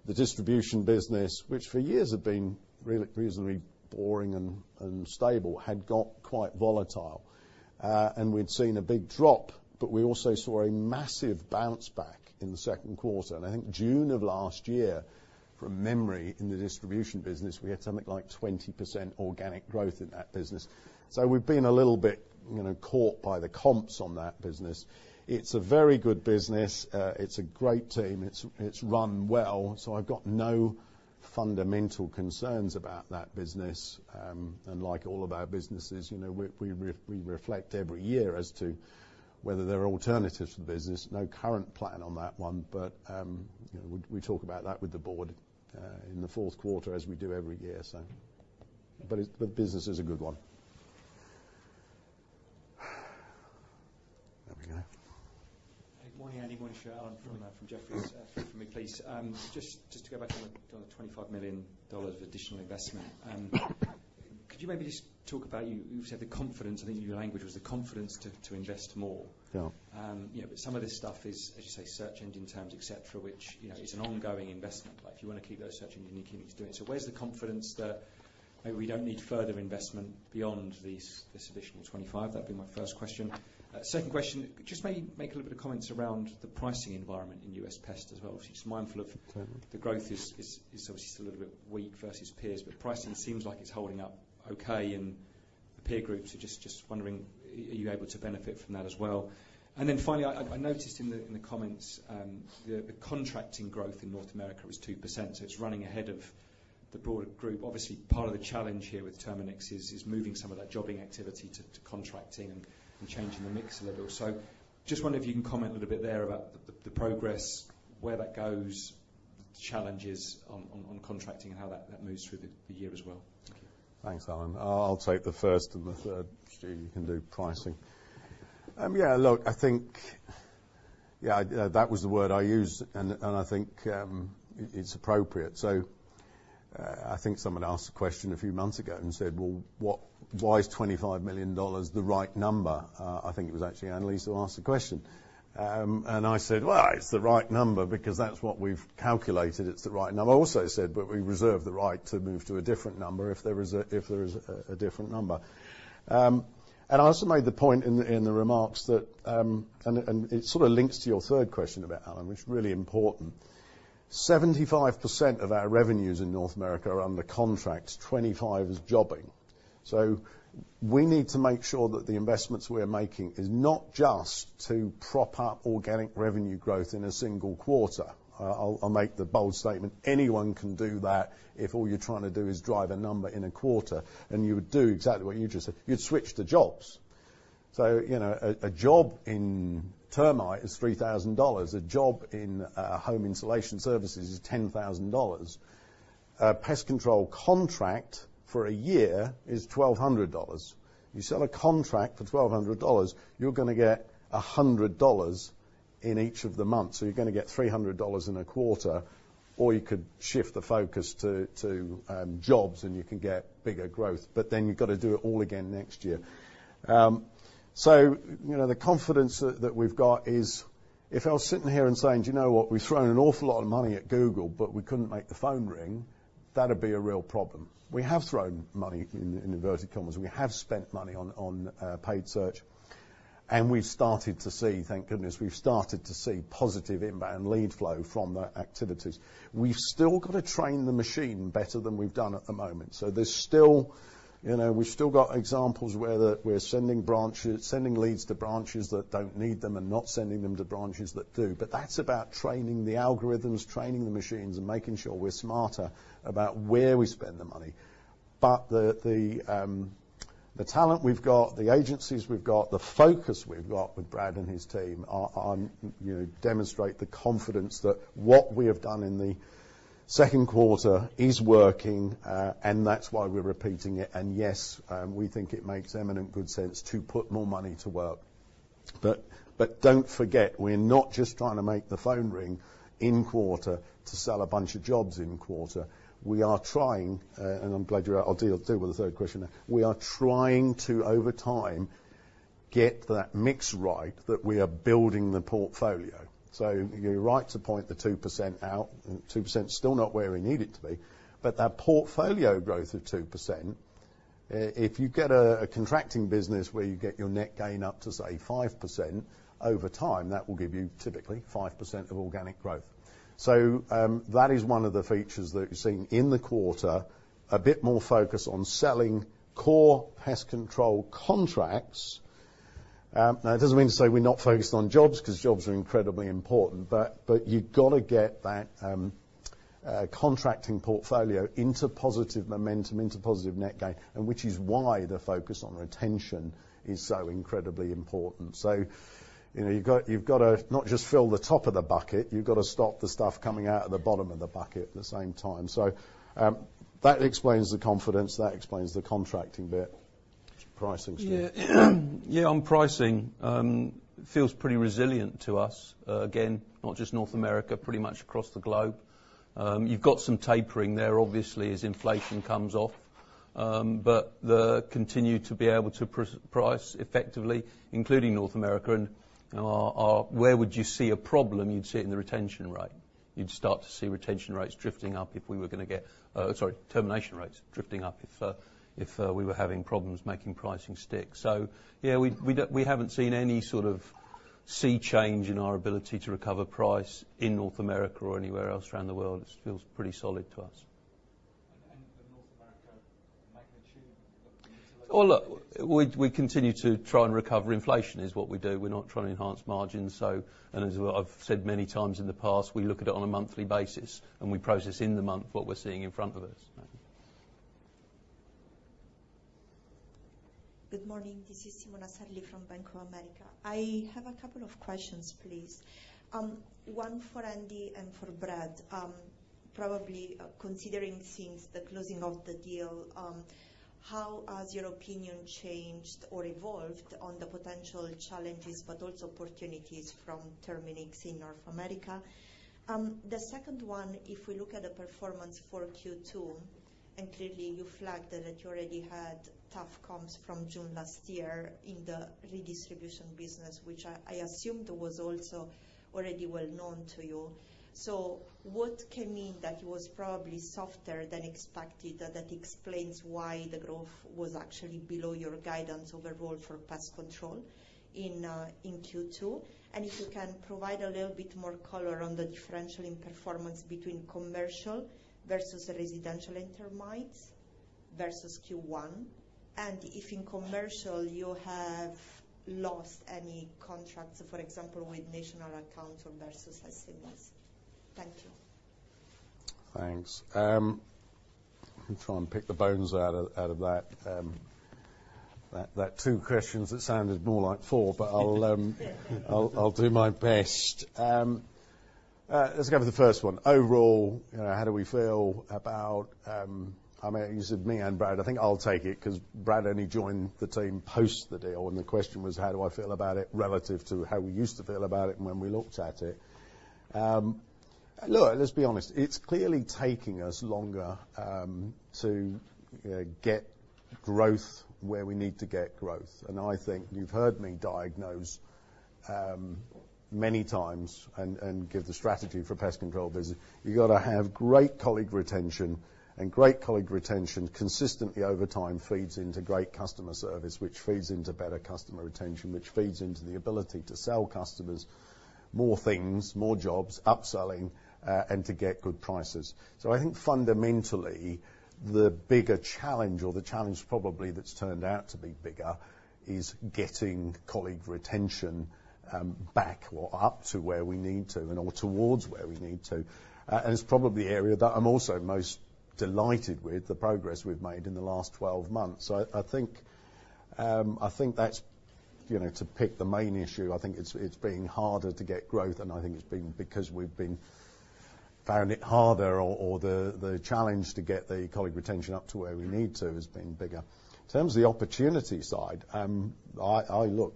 [SPEAKER 1] the distribution business, which for years had been reasonably boring and stable, had got quite volatile. And we'd seen a big drop, but we also saw a massive bounce back in the second quarter. And I think June of last year, from memory, in the distribution business, we had something like 20% organic growth in that business. So we've been a little bit, you know, caught by the comps on that business. It's a very good business. It's a great team. It's run well, so I've got no fundamental concerns about that business. And like all of our businesses, you know, we reflect every year as to whether there are alternatives to the business. No current plan on that one, but you know, we talk about that with the board in the fourth quarter as we do every year, so. But it, the business is a good one. There we go.
[SPEAKER 6] Good morning, Andy. Good morning, Stuart. I'm Allen from Jefferies. Three for me, please. Just to go back on the $25 million of additional investment, could you maybe just talk about you said the confidence, I think your language was the confidence to invest more.
[SPEAKER 1] Yeah.
[SPEAKER 6] You know, but some of this stuff is, as you say, search engine terms, et cetera, which, you know, is an ongoing investment. Like, if you want to keep those search engines, you need to keep doing it. So where's the confidence that maybe we don't need further investment beyond these, this additional $25 million? That'd be my first question. Second question, just make a little bit of comments around the pricing environment in U.S. pest as well. Just mindful of-
[SPEAKER 1] Okay...
[SPEAKER 6] the growth is obviously still a little bit weak versus peers, but pricing seems like it's holding up okay, and the peer groups are just wondering, are you able to benefit from that as well? And then finally, I noticed in the comments, the contracting growth in North America was 2%, so it's running ahead of the broader group. Obviously, part of the challenge here with Terminix is moving some of that jobbing activity to contracting and changing the mix a little. So just wonder if you can comment a little bit there about the progress, where that goes, challenges on contracting, and how that moves through the year as well. Thank you.
[SPEAKER 1] Thanks, Allen. I'll take the first and the third. Stuart, you can do pricing. Yeah, look, I think... Yeah, that was the word I used, and I think it's appropriate. So, I think someone asked a question a few months ago and said, "Well, what—why is $25 million the right number?" I think it was actually Annelies who asked the question. And I said, "Well, it's the right number because that's what we've calculated. It's the right number." I also said, "But we reserve the right to move to a different number if there is a different number." And I also made the point in the remarks that... And it sort of links to your third question about Allen, which is really important. 75% of our revenues in North America are under contracts, $25 million is jobbing. So we need to make sure that the investments we're making is not just to prop up organic revenue growth in a single quarter. I'll make the bold statement, anyone can do that if all you're trying to do is drive a number in a quarter, and you would do exactly what you just said, you'd switch to jobs. So, you know, a job in termite is $3,000. A job in home insulation services is $10,000. A pest control contract for a year is $1,200. You sell a contract for $1,200, you're gonna get $100 in each of the months, so you're gonna get $300 in a quarter, or you could shift the focus to jobs, and you can get bigger growth, but then you've got to do it all again next year. So you know, the confidence that we've got is if I was sitting here and saying, "Do you know what? We've thrown an awful lot of money at Google, but we couldn't make the phone ring," that'd be a real problem. We have thrown money in inverted commas, we have spent money on paid search, and we've started to see, thank goodness, we've started to see positive inbound lead flow from the activities. We've still got to train the machine better than we've done at the moment. So there's still, you know, we've still got examples where that we're sending branches, sending leads to branches that don't need them and not sending them to branches that do. But that's about training the algorithms, training the machines, and making sure we're smarter about where we spend the money. But the talent we've got, the agencies we've got, the focus we've got with Brad and his team are, you know, demonstrate the confidence that what we have done in the second quarter is working, and that's why we're repeating it. And yes, we think it makes eminent good sense to put more money to work. But, but don't forget, we're not just trying to make the phone ring in quarter to sell a bunch of jobs in quarter. We are trying, and I'm glad you're... I'll deal, I'll deal with the third question now. We are trying to, over time, get that mix right, that we are building the portfolio. So you're right to point the 2% out, and 2% is still not where we need it to be, but that portfolio growth of 2%, if you get a, a contracting business where you get your net gain up to, say, 5%, over time, that will give you typically 5% of organic growth. So, that is one of the features that we've seen in the quarter. A bit more focus on selling core pest control contracts. Now, it doesn't mean to say we're not focused on jobs, because jobs are incredibly important, but, but you've got to get that, contracting portfolio into positive momentum, into positive net gain, and which is why the focus on retention is so incredibly important. So, you know, you've got- you've got to not just fill the top of the bucket, you've got to stop the stuff coming out of the bottom of the bucket at the same time. So, that explains the confidence, that explains the contracting bit. Pricing, Stuart.
[SPEAKER 2] Yeah. Yeah, on pricing, feels pretty resilient to us. Again, not just North America, pretty much across the globe. You've got some tapering there, obviously, as inflation comes off, but the... continue to be able to price effectively, including North America, and where would you see a problem? You'd see it in the retention rate. You'd start to see retention rates drifting up if we were gonna get, sorry, termination rates drifting up if we were having problems making pricing stick. So yeah, we, we don't, we haven't seen any sort of sea change in our ability to recover price in North America or anywhere else around the world. It feels pretty solid to us.... Well, look, we continue to try and recover inflation. Is what we do. We're not trying to enhance margins. So, and as I've said many times in the past, we look at it on a monthly basis, and we process in the month what we're seeing in front of us.
[SPEAKER 7] Good morning. This is Simona Sarli from Bank of America. I have a couple of questions, please. One for Andy and for Brad. Probably considering since the closing of the deal, how has your opinion changed or evolved on the potential challenges but also opportunities from Terminix in North America? The second one, if we look at the performance for Q2, and clearly, you flagged that you already had tough comps from June last year in the redistribution business, which I assumed was also already well known to you. So what can mean that it was probably softer than expected, that explains why the growth was actually below your guidance overall for pest control in Q2? If you can provide a little bit more color on the differential in performance between commercial versus residential and termites versus Q1, and if in commercial you have lost any contracts, for example, with national account or versus less signals? Thank you.
[SPEAKER 1] Thanks. I'll try and pick the bones out of, out of that, that two questions that sounded more like four, but I'll, I'll do my best. Let's go with the first one. Overall, you know, how do we feel about... I mean, you said me and Brad. I think I'll take it 'cause Brad only joined the team post the deal, and the question was, how do I feel about it relative to how we used to feel about it and when we looked at it. Look, let's be honest, it's clearly taking us longer, to get growth where we need to get growth. And I think you've heard me diagnose, many times and give the strategy for pest control business. You've got to have great colleague retention, and great colleague retention consistently over time feeds into great customer service, which feeds into better customer retention, which feeds into the ability to sell customers more things, more jobs, upselling, and to get good prices. So I think fundamentally, the bigger challenge or the challenge probably that's turned out to be bigger is getting colleague retention back or up to where we need to and/or towards where we need to. And it's probably the area that I'm also most delighted with, the progress we've made in the last 12 months. So I think that's, you know, to pick the main issue, I think it's been harder to get growth, and I think it's been because we've been finding it harder or the challenge to get the colleague retention up to where we need to has been bigger. In terms of the opportunity side, I look,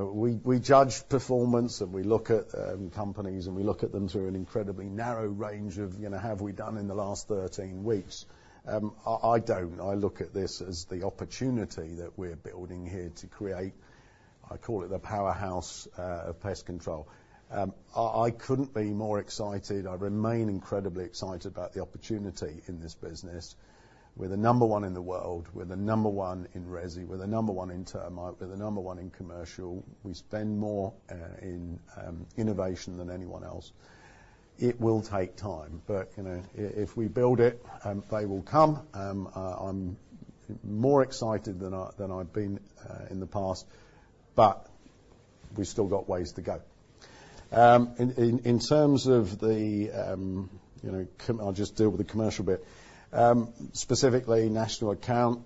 [SPEAKER 1] we judge performance, and we look at companies, and we look at them through an incredibly narrow range of, you know, have we done in the last 13 weeks? I don't. I look at this as the opportunity that we're building here to create, I call it the powerhouse of pest control. I couldn't be more excited. I remain incredibly excited about the opportunity in this business. We're the number one in the world, we're the number one in resi, we're the number one in termite, we're the number one in commercial. We spend more in innovation than anyone else. It will take time, but, you know, if we build it, they will come. I'm more excited than I, than I've been in the past, but we've still got ways to go. In terms of the, you know, I'll just deal with the commercial bit. Specifically, national account.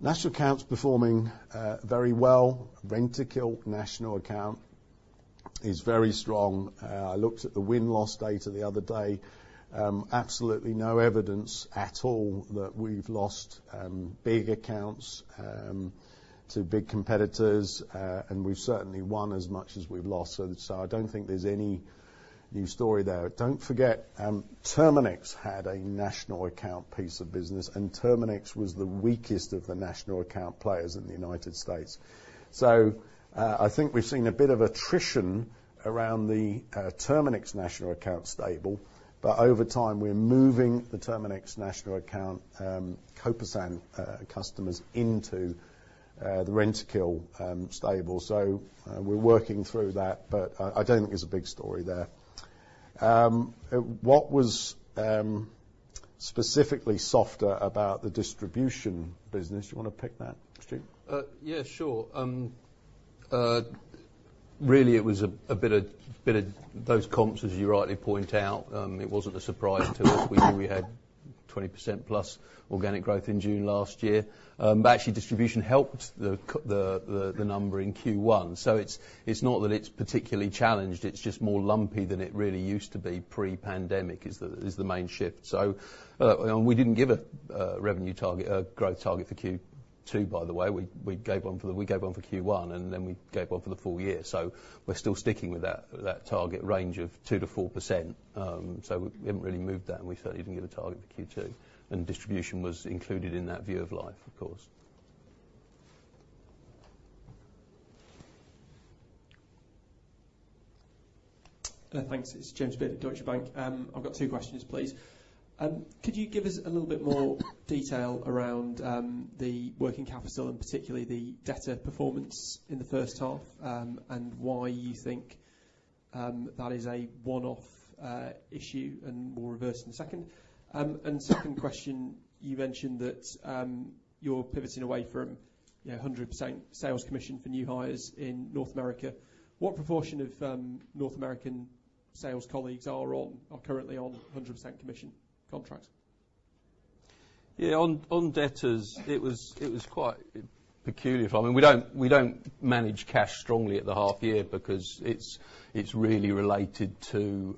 [SPEAKER 1] National account's performing very well. Rentokil National Account is very strong. I looked at the win-loss data the other day. Absolutely no evidence at all that we've lost big accounts to big competitors, and we've certainly won as much as we've lost, so I don't think there's any new story there. Don't forget, Terminix had a national account piece of business, and Terminix was the weakest of the national account players in the United States. So, I think we've seen a bit of attrition around the Terminix national account stable, but over time, we're moving the Terminix national account Copesan customers into the Rentokil stable. So, we're working through that, but I don't think there's a big story there. What was specifically softer about the distribution business? You want to pick that, Stu?
[SPEAKER 2] Yeah, sure. Really, it was a bit of those comps, as you rightly point out. It wasn't a surprise to us. We knew we had 20% plus organic growth in June last year. But actually, distribution helped the number in Q1. So it's not that it's particularly challenged, it's just more lumpy than it really used to be pre-pandemic, is the main shift. So, we didn't give a revenue target, a growth target for Q2, by the way. We gave one for Q1, and then we gave one for the full year. So we're still sticking with that target range of 2%-4%.So, we haven't really moved that, and we certainly didn't give a target for Q2, and distribution was included in that view of life, of course.
[SPEAKER 8] Thanks. It's [James Bick], Deutsche Bank. I've got two questions, please. Could you give us a little bit more detail around the working capital and particularly the debtor performance in the first half, and why you think that is a one-off issue, and we'll reverse in a second. And second question, you mentioned that you're pivoting away from, you know, 100% sales commission for new hires in North America. What proportion of North American sales colleagues are on, are currently on 100% commission contracts?
[SPEAKER 1] Yeah, on debtors, it was quite peculiar. I mean, we don't manage cash strongly at the half year because it's really related to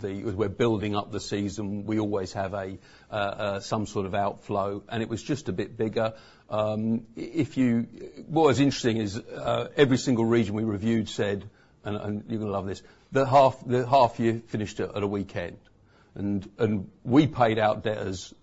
[SPEAKER 1] the- We're building up the season. We always have a some sort of outflow, and it was just a bit bigger. If you-- What was interesting is every single region we reviewed said, and you're gonna love this, the half year finished at a weekend. And we paid out debtors,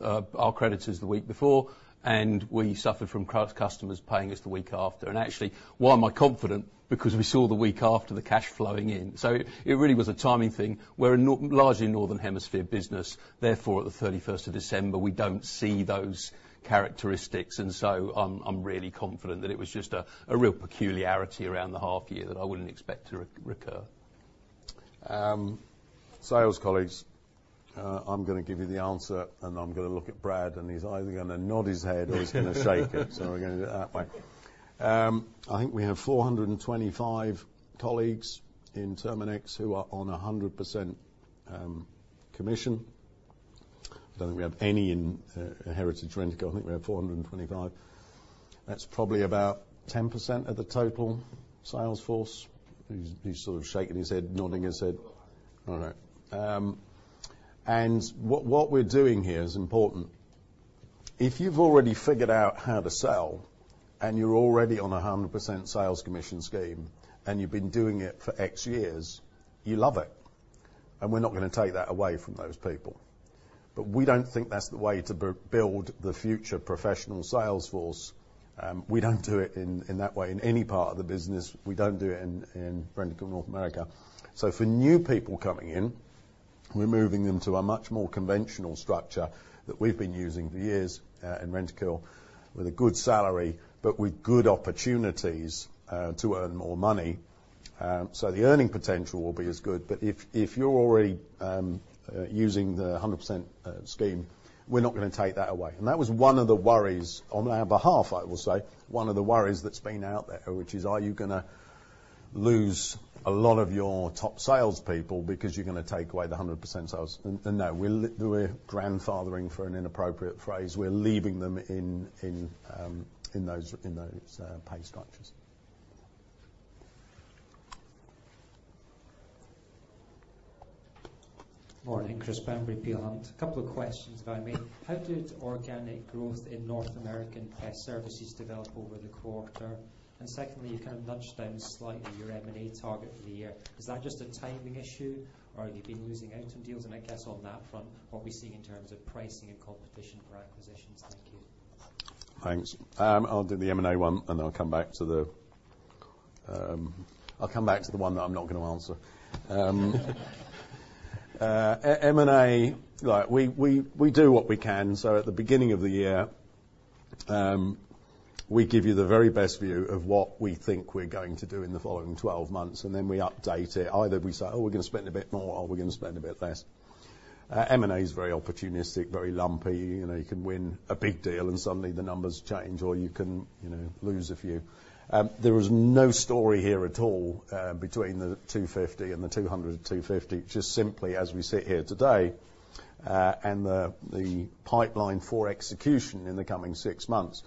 [SPEAKER 1] our creditors the week before, and we suffered from customers paying us the week after. And actually, why am I confident? Because we saw the week after, the cash flowing in. So it really was a timing thing. We're now largely a Northern Hemisphere business, therefore, at December 31st, we don't see those characteristics, and so I'm really confident that it was just a real peculiarity around the half year that I wouldn't expect to recur. Sales colleagues, I'm gonna give you the answer, and I'm gonna look at Brad, and he's either gonna nod his head or he's gonna shake it. So we're gonna do it that way. I think we have 425 colleagues in Terminix who are on 100% commission. I don't think we have any in Heritage Rentokil. I think we have 425. That's probably about 10% of the total sales force. He's sort of shaking his head, nodding his head. All right. And what we're doing here is important. If you've already figured out how to sell, and you're already on a 100% sales commission scheme, and you've been doing it for X years, you love it, and we're not gonna take that away from those people. But we don't think that's the way to build the future professional sales force. We don't do it in that way in any part of the business. We don't do it in Rentokil North America. So for new people coming in, we're moving them to a much more conventional structure that we've been using for years in Rentokil, with a good salary, but with good opportunities to earn more money. So the earning potential will be as good, but if you're already using the 100% scheme, we're not gonna take that away. That was one of the worries on our behalf, I will say, one of the worries that's been out there, which is, are you gonna lose a lot of your top salespeople because you're gonna take away the 100% sales? And no, we're grandfathering, for an inappropriate phrase, we're leaving them in those pay structures.
[SPEAKER 9] Morning, Christopher Bamberry, Peel Hunt. A couple of questions, if I may. How did organic growth in North American Pest Services develop over the quarter? And secondly, you kind of nudged down slightly your M&A target for the year. Is that just a timing issue, or have you been losing out on deals? And I guess on that front, what are we seeing in terms of pricing and competition for acquisitions? Thank you.
[SPEAKER 1] Thanks. I'll do the M&A one, and I'll come back to the one that I'm not gonna answer. M&A, like, we do what we can. So at the beginning of the year, we give you the very best view of what we think we're going to do in the following twelve months, and then we update it. Either we say, "Oh, we're gonna spend a bit more, or we're gonna spend a bit less." M&A is very opportunistic, very lumpy. You know, you can win a big deal, and suddenly the numbers change, or you can, you know, lose a few. There was no story here at all between the 250 million and the 200 million-250 million, just simply as we sit here today, and the pipeline for execution in the coming six months.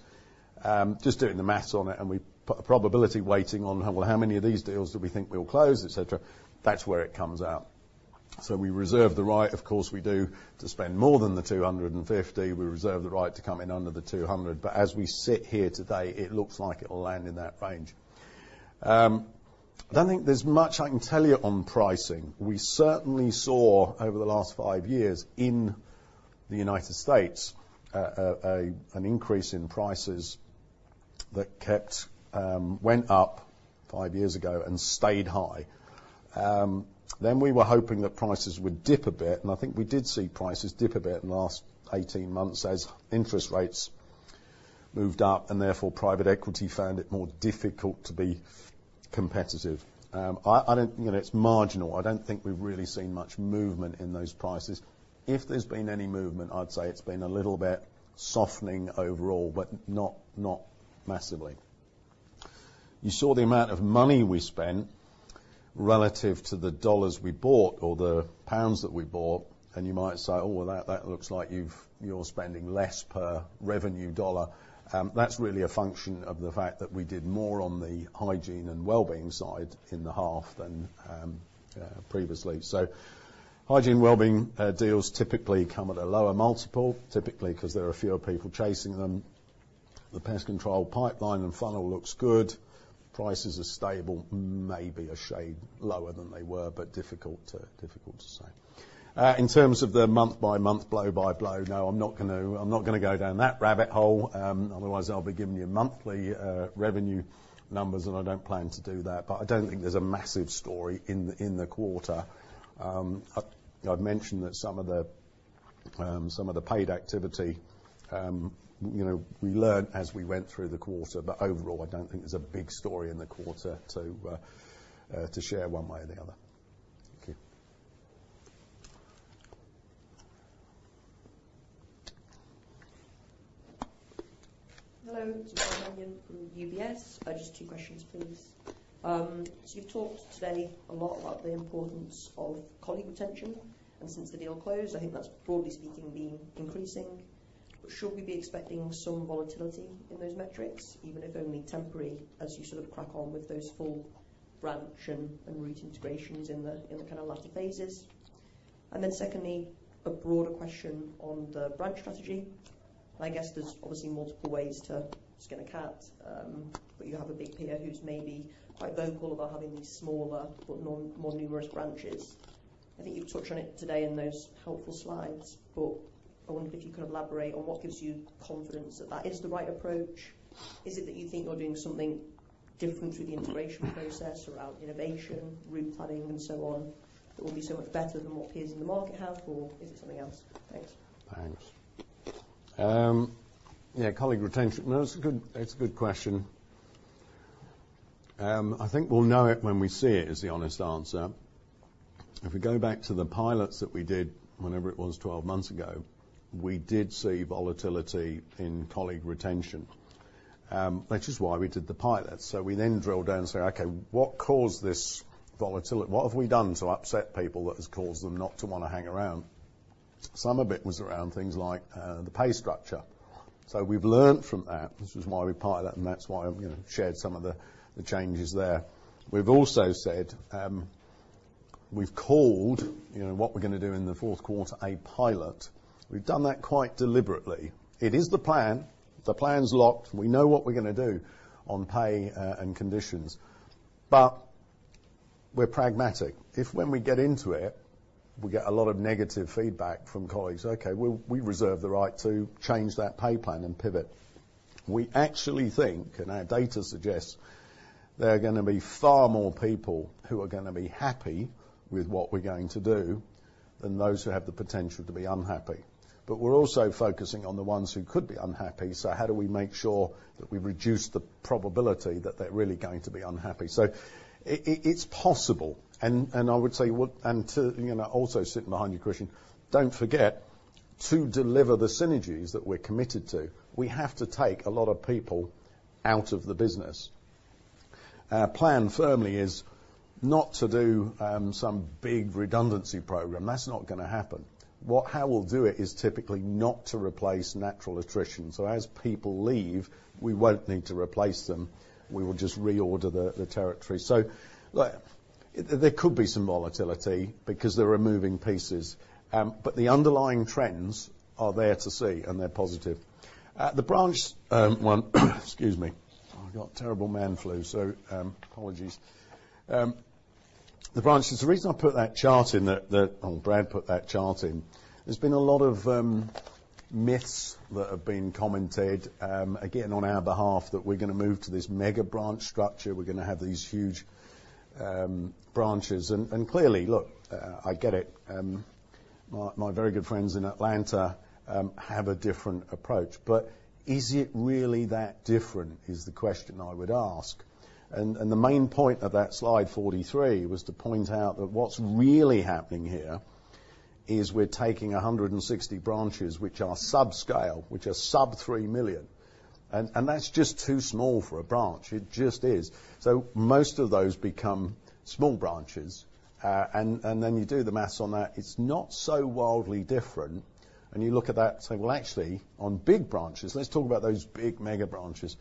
[SPEAKER 1] Just doing the math on it, and we put a probability weighting on, well, how many of these deals do we think we'll close, et cetera, that's where it comes out. So we reserve the right, of course, we do, to spend more than the 250 million. We reserve the right to come in under the 200 million. But as we sit here today, it looks like it'll land in that range. I don't think there's much I can tell you on pricing. We certainly saw over the last five years in the United States, an increase in prices that went up five years ago and stayed high. Then we were hoping that prices would dip a bit, and I think we did see prices dip a bit in the last 18 months as interest rates moved up, and therefore, private equity found it more difficult to be competitive. I don't... You know, it's marginal. I don't think we've really seen much movement in those prices. If there's been any movement, I'd say it's been a little bit softening overall, but not, not massively. You saw the amount of money we spent relative to the dollars we bought or the pounds that we bought, and you might say, "Oh, well, that, that looks like you've, you're spending less per revenue dollar." That's really a function of the fact that we did more on the Hygiene and Wellbeing side in the half than previously. So Hygiene and Wellbeing deals typically come at a lower multiple, typically because there are fewer people chasing them. The pest control pipeline and funnel looks good. Prices are stable, maybe a shade lower than they were, but difficult to, difficult to say. In terms of the month-by-month, blow-by-blow, no, I'm not gonna, I'm not gonna go down that rabbit hole. Otherwise, I'll be giving you monthly revenue numbers, and I don't plan to do that. But I don't think there's a massive story in the quarter. I've mentioned that some of the paid activity, you know, we learned as we went through the quarter, but overall, I don't think there's a big story in the quarter to share one way or the other. Thank you.
[SPEAKER 10] Hello, it's Nicole Manion from UBS. Just two questions, please. So you've talked today a lot about the importance of colleague retention, and since the deal closed, I think that's, broadly speaking, been increasing. But should we be expecting some volatility in those metrics, even if only temporary, as you sort of crack on with those full branch and route integrations in the kind of latter phases? And then secondly, a broader question on the branch strategy. I guess there's obviously multiple ways to skin a cat, but you have a big peer who's maybe quite vocal about having these smaller, but more numerous branches. I think you've touched on it today in those helpful slides, but I wonder if you could elaborate on what gives you confidence that that is the right approach. Is it that you think you're doing something different through the integration process around innovation, route planning, and so on, that will be so much better than what peers in the market have, or is it something else? Thanks.
[SPEAKER 1] Thanks. Yeah, colleague retention. No, it's a good, it's a good question. I think we'll know it when we see it, is the honest answer. If we go back to the pilots that we did, whenever it was, 12 months ago, we did see volatility in colleague retention, which is why we did the pilot. So we then drilled down and said, "Okay, what caused this volatility? What have we done to upset people that has caused them not to want to hang around?" Some of it was around things like, the pay structure, so we've learned from that. This is why we pilot, and that's why I, you know, shared some of the, the changes there. We've also said, we've called, you know, what we're going to do in the fourth quarter, a pilot. We've done that quite deliberately. It is the plan. The plan's locked. We know what we're going to do on pay and conditions, but we're pragmatic. If when we get into it, we get a lot of negative feedback from colleagues, okay, we reserve the right to change that pay plan and pivot. We actually think, and our data suggests, there are going to be far more people who are going to be happy with what we're going to do, than those who have the potential to be unhappy. But we're also focusing on the ones who could be unhappy, so how do we make sure that we reduce the probability that they're really going to be unhappy? So it's possible, and I would say what... To, you know, also sitting behind your question, don't forget, to deliver the synergies that we're committed to, we have to take a lot of people out of the business. Our plan firmly is not to do some big redundancy program. That's not going to happen. How we'll do it is typically not to replace natural attrition, so as people leave, we won't need to replace them. We will just reorder the territory. So there could be some volatility because there are moving pieces, but the underlying trends are there to see, and they're positive. The branches, the reason I put that chart in there, that... Oh, Brad put that chart in. There's been a lot of myths that have been commented again on our behalf that we're going to move to this mega branch structure. We're going to have these huge branches. And clearly, look, I get it. My very good friends in Atlanta have a different approach. But is it really that different? Is the question I would ask. And the main point of that slide 43 was to point out that what's really happening here is we're taking 160 branches, which are subscale, which are sub-$3 million, and that's just too small for a branch. It just is. So most of those become small branches, and then you do the math on that. It's not so wildly different. And you look at that and say, "Well, actually, on big branches, let's talk about those big mega branches."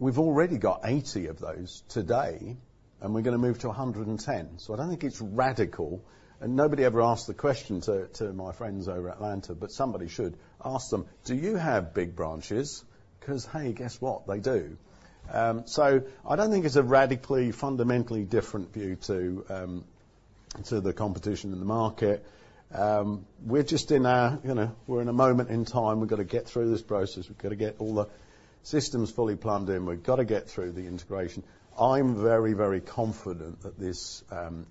[SPEAKER 1] We've already got 80 of those today, and we're going to move to 110. So I don't think it's radical, and nobody ever asked the question to, to my friends over at Atlanta, but somebody should. Ask them, "Do you have big branches?" Because, hey, guess what? They do. So I don't think it's a radically, fundamentally different view to, to the competition in the market. We're just in a, you know, we're in a moment in time. We've got to get through this process. We've got to get all the systems fully plumbed in. We've got to get through the integration. I'm very, very confident that this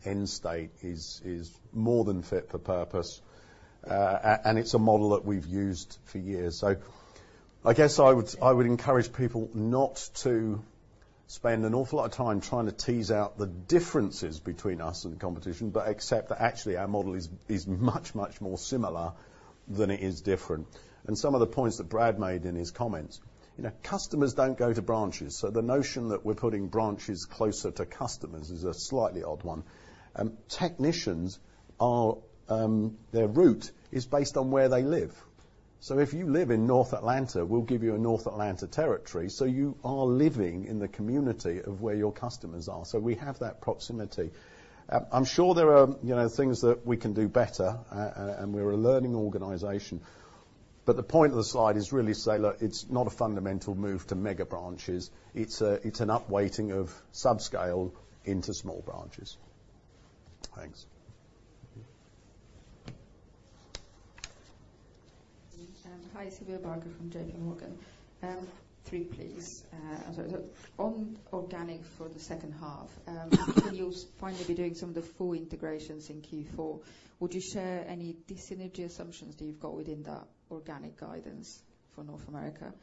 [SPEAKER 1] end state is more than fit for purpose, and it's a model that we've used for years. So I guess I would encourage people not to spend an awful lot of time trying to tease out the differences between us and the competition, but accept that actually, our model is much, much more similar than it is different. And some of the points that Brad made in his comments, you know, customers don't go to branches, so the notion that we're putting branches closer to customers is a slightly odd one. And technicians are, their route is based on where they live. So if you live in North Atlanta, we'll give you a North Atlanta territory, so you are living in the community of where your customers are, so we have that proximity. I'm sure there are, you know, things that we can do better, and we're a learning organization, but the point of the slide is really say, look, it's not a fundamental move to mega branches. It's an upweighting of subscale into small branches. Thanks.
[SPEAKER 11] Hi, Sylvia Barker from J.P. Morgan. Three, please. On organic for the second half, you'll finally be doing some of the full integrations in Q4. Would you share any dis-synergy assumptions that you've got within that organic guidance for North America?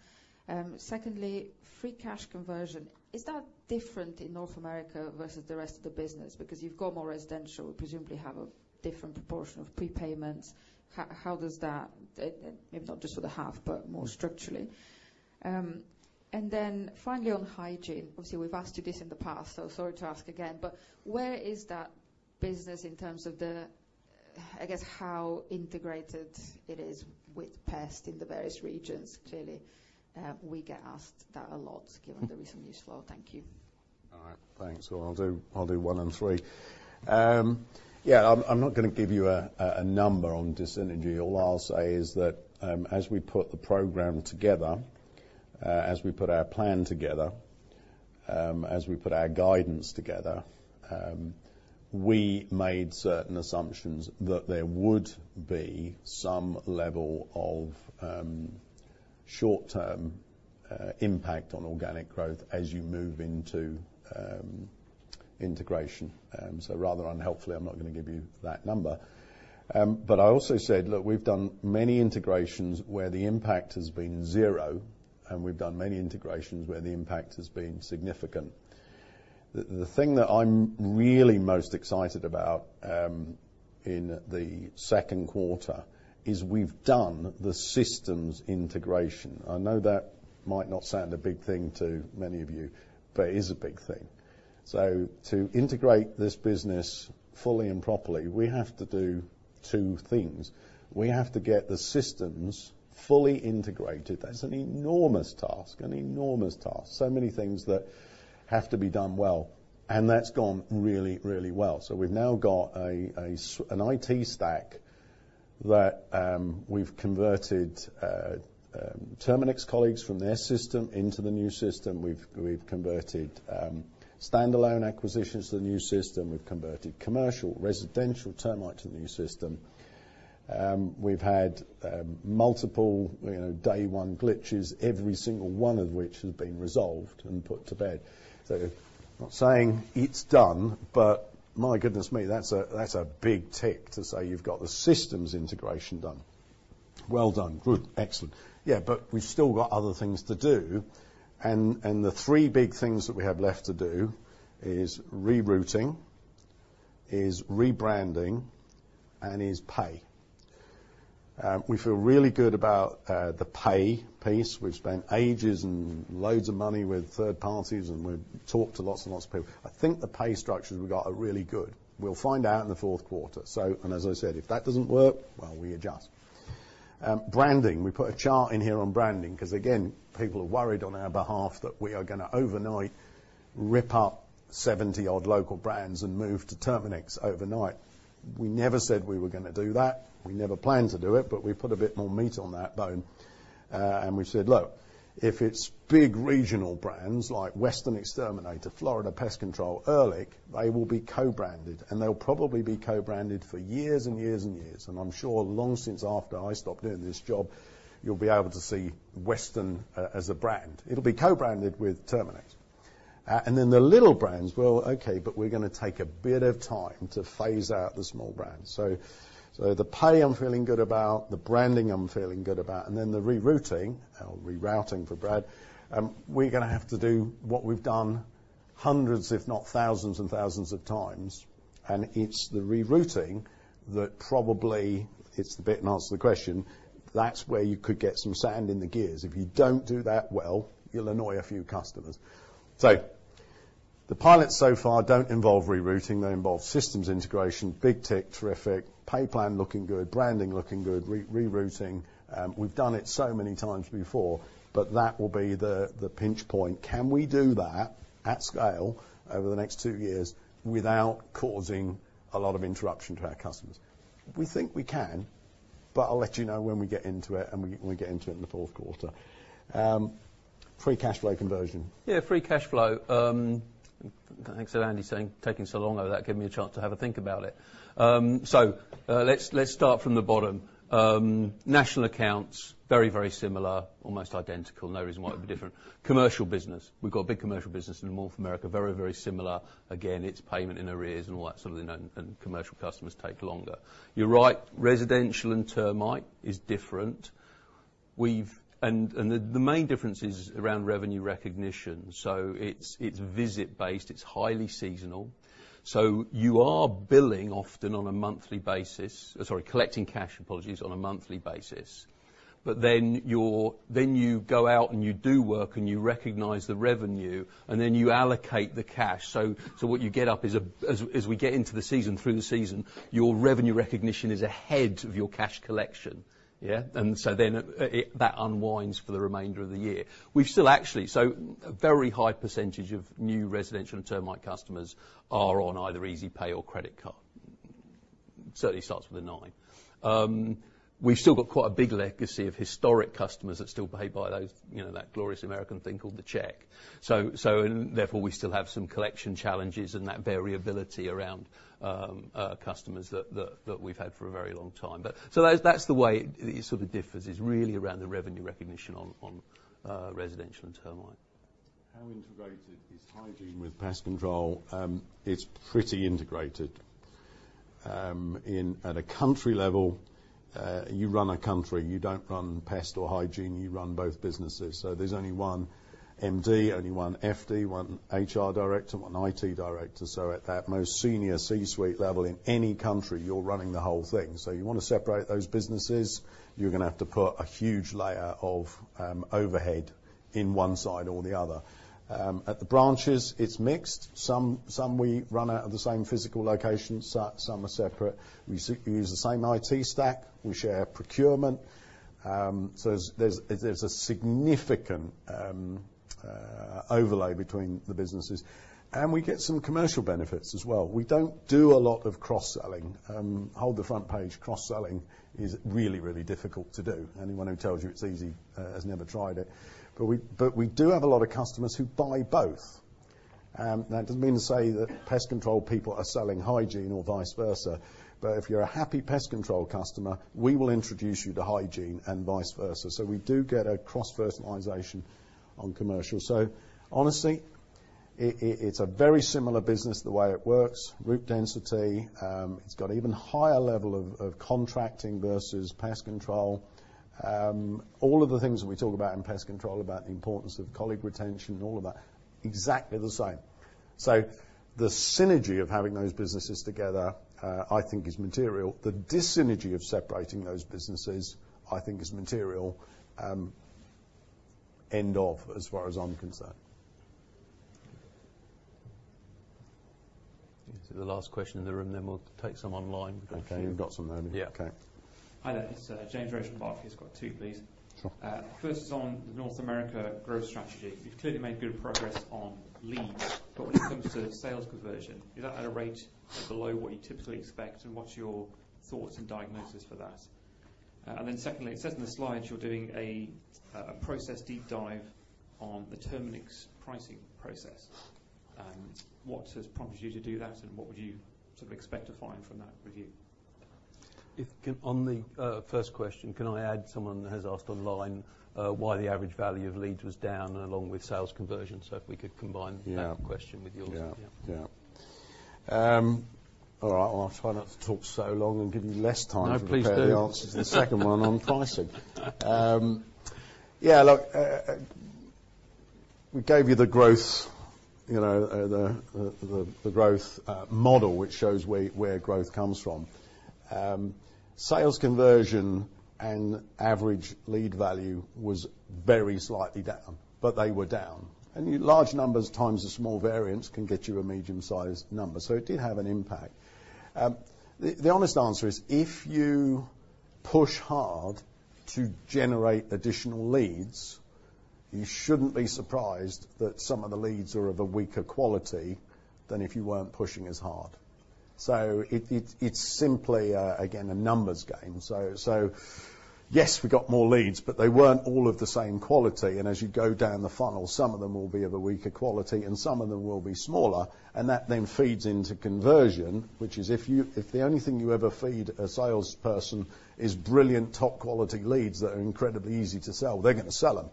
[SPEAKER 11] Secondly, free cash conversion, is that different in North America versus the rest of the business? Because you've got more residential, presumably have a different proportion of prepayments. How does that, maybe not just for the half, but more structurally? And then finally, on hygiene. Obviously, we've asked you this in the past, so sorry to ask again, but where is that business in terms of the, I guess, how integrated it is with pest in the various regions? Clearly, we get asked that a lot given the recent news flow. Thank you.
[SPEAKER 1] All right, thanks. Well, I'll do one and three. Yeah, I'm not gonna give you a number on dis-synergy. All I'll say is that, as we put the program together, as we put our plan together, as we put our guidance together, we made certain assumptions that there would be some level of short-term impact on organic growth as you move into integration. So rather unhelpfully, I'm not gonna give you that number. But I also said, look, we've done many integrations where the impact has been zero, and we've done many integrations where the impact has been significant. The thing that I'm really most excited about in the second quarter is we've done the systems integration. I know that might not sound a big thing to many of you, but it is a big thing. So to integrate this business fully and properly, we have to do two things. We have to get the systems fully integrated. That's an enormous task, an enormous task. So many things that have to be done well, and that's gone really, really well. So we've now got an IT stack that we've converted Terminix colleagues from their system into the new system. We've converted standalone acquisitions to the new system. We've converted commercial, residential, termite to the new system. We've had multiple, you know, day one glitches, every single one of which has been resolved and put to bed. So not saying it's done, but my goodness me, that's a, that's a big tick to say you've got the systems integration done. Well done. Good. Excellent. Yeah, but we've still got other things to do, and, and the three big things that we have left to do is rerouting, is rebranding, and is pay. We feel really good about the pay piece. We've spent ages and loads of money with third parties, and we've talked to lots and lots of people. I think the pay structures we got are really good. We'll find out in the fourth quarter. So... And as I said, if that doesn't work, well, we adjust. Branding, we put a chart in here on branding, 'cause again, people are worried on our behalf that we are gonna overnight rip up 70-odd local brands and move to Terminix overnight. We never said we were gonna do that. We never planned to do it, but we put a bit more meat on that bone, and we said, "Look, if it's big regional brands like Western Exterminator, Florida Pest Control, Ehrlich, they will be co-branded, and they'll probably be co-branded for years and years and years, and I'm sure long since after I stop doing this job, you'll be able to see Western as a brand. It'll be co-branded with Terminix. And then the little brands, well, okay, but we're gonna take a bit of time to phase out the small brands. So, the pay, I'm feeling good about, the branding I'm feeling good about, and then the rerouting, or rerouting for Brad, we're gonna have to do what we've done hundreds, if not thousands and thousands of times, and it's the rerouting that probably, it's the bit and answer the question, that's where you could get some sand in the gears. If you don't do that well, you'll annoy a few customers. So the pilots so far don't involve rerouting. They involve systems integration, big tick, terrific. Pay plan, looking good. Branding, looking good. Rerouting, we've done it so many times before, but that will be the pinch point. Can we do that at scale over the next two years without causing a lot of interruption to our customers? We think we can, but I'll let you know when we get into it, and we get into it in the fourth quarter. Free cash flow conversion.
[SPEAKER 2] Yeah, free cash flow. Thanks to Andy saying taking so long over that, gave me a chance to have a think about it. So, let's start from the bottom. National accounts, very, very similar, almost identical. No reason why it would be different. Commercial business, we've got a big commercial business in North America. Very, very similar. Again, it's payment in arrears and all that sort of thing, and commercial customers take longer. You're right, residential and termite is different. We've... And the main difference is around revenue recognition, so it's visit-based. It's highly seasonal. So you are billing often on a monthly basis, sorry, collecting cash, apologies, on a monthly basis. But then you go out and you do work, and you recognize the revenue, and then you allocate the cash. So what you get is a, as we get into the season, through the season, your revenue recognition is ahead of your cash collection, yeah? And so then, that unwinds for the remainder of the year. We've still actually, so a very high percentage of new residential and termite customers are on either Easy Pay or credit card. Certainly starts with a nine. We've still got quite a big legacy of historic customers that still pay by those, you know, that glorious American thing called the check. So therefore, we still have some collection challenges and that variability around, customers that we've had for a very long time. But so that's the way it sort of differs, is really around the revenue recognition on, on, residential and termite....
[SPEAKER 1] how integrated is hygiene with pest control? It's pretty integrated. In at a country level, you run a country, you don't run pest or hygiene, you run both businesses. So there's only one MD, only one FD, one HR director, one IT director. So at that most senior C-suite level, in any country, you're running the whole thing. So you want to separate those businesses, you're gonna have to put a huge layer of overhead in one side or the other. At the branches, it's mixed. Some we run out of the same physical location, so some are separate. We use the same IT stack, we share procurement. So there's a significant overlay between the businesses, and we get some commercial benefits as well. We don't do a lot of cross-selling. Hold the front page, cross-selling is really, really difficult to do. Anyone who tells you it's easy has never tried it. But we do have a lot of customers who buy both. That doesn't mean to say that pest control people are selling hygiene or vice versa, but if you're a happy pest control customer, we will introduce you to hygiene and vice versa. So we do get a cross penetration on commercial. So honestly, it's a very similar business the way it works, route density. It's got even higher level of contracting versus pest control. All of the things that we talk about in pest control, about the importance of colleague retention and all of that, exactly the same. So the synergy of having those businesses together, I think is material. The dis-synergy of separating those businesses, I think, is material, as far as I'm concerned.
[SPEAKER 2] The last question in the room, then we'll take some online.
[SPEAKER 1] Okay, we've got some then.
[SPEAKER 2] Yeah.
[SPEAKER 1] Okay.
[SPEAKER 12] Hi there, it's James Rose from Barclays got two, please.
[SPEAKER 1] Sure.
[SPEAKER 12] First is on North America growth strategy. You've clearly made good progress on leads, but when it comes to sales conversion, is that at a rate below what you typically expect? And what's your thoughts and diagnosis for that? And then secondly, it says in the slides you're doing a process deep dive on the Terminix pricing process. What has prompted you to do that, and what would you sort of expect to find from that review?
[SPEAKER 2] On the first question, can I add, someone has asked online, why the average value of leads was down, along with sales conversion. So if we could combine-
[SPEAKER 1] Yeah...
[SPEAKER 2] that question with yours.
[SPEAKER 1] Yeah. Yeah. All right. Well, I'll try not to talk so long and give you less time-
[SPEAKER 2] No, please do....
[SPEAKER 1] to prepare the answer to the second one on pricing. Yeah, look, we gave you the growth, you know, the growth model, which shows where growth comes from. Sales conversion and average lead value was very slightly down, but they were down. And large numbers times the small variance can get you a medium-sized number, so it did have an impact. The honest answer is, if you push hard to generate additional leads, you shouldn't be surprised that some of the leads are of a weaker quality than if you weren't pushing as hard. So it's simply again a numbers game. So yes, we got more leads, but they weren't all of the same quality. And as you go down the funnel, some of them will be of a weaker quality, and some of them will be smaller, and that then feeds into conversion, which is if the only thing you ever feed a salesperson is brilliant, top quality leads that are incredibly easy to sell, they're gonna sell them.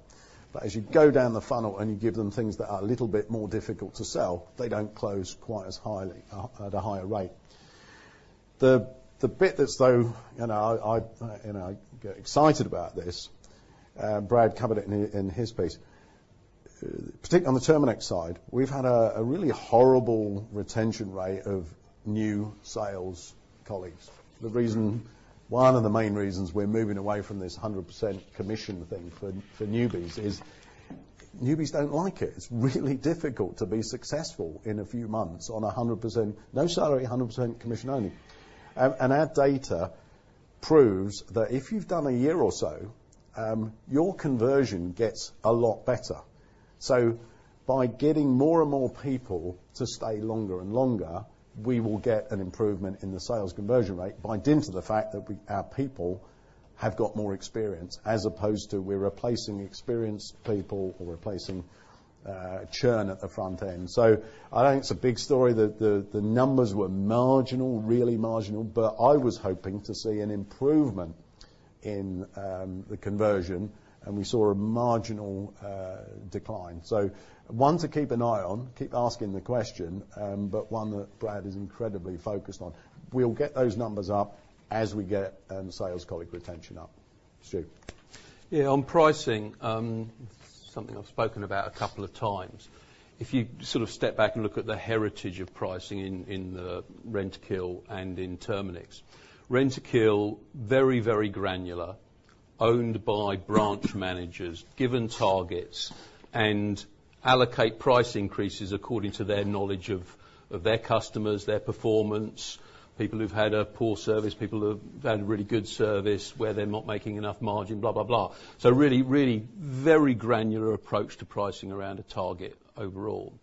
[SPEAKER 1] But as you go down the funnel and you give them things that are a little bit more difficult to sell, they don't close quite as highly at a higher rate. The bit that's though, you know, I you know, I get excited about this. Brad covered it in his piece. Particularly on the Terminix side, we've had a really horrible retention rate of new sales colleagues. The reason... One of the main reasons we're moving away from this 100% commission thing for newbies is newbies don't like it. It's really difficult to be successful in a few months on a 100%... No salary, a 100% commission only. And our data proves that if you've done a year or so, your conversion gets a lot better. So by getting more and more people to stay longer and longer, we will get an improvement in the sales conversion rate, by dint of the fact that we, our people have got more experience, as opposed to we're replacing experienced people or replacing churn at the front end. So I think it's a big story that the numbers were marginal, really marginal, but I was hoping to see an improvement in the conversion, and we saw a marginal decline. So one to keep an eye on, keep asking the question, but one that Brad is incredibly focused on. We'll get those numbers up as we get, sales colleague retention up. Stu?
[SPEAKER 2] Yeah, on pricing, something I've spoken about a couple of times. If you sort of step back and look at the heritage of pricing in the Rentokil and in Terminix. Rentokil, very, very granular, owned by branch managers, given targets, and allocate price increases according to their knowledge of their customers, their performance, people who've had a poor service, people who've had really good service, where they're not making enough margin, blah, blah, blah. So really, really very granular approach to pricing around a target overall.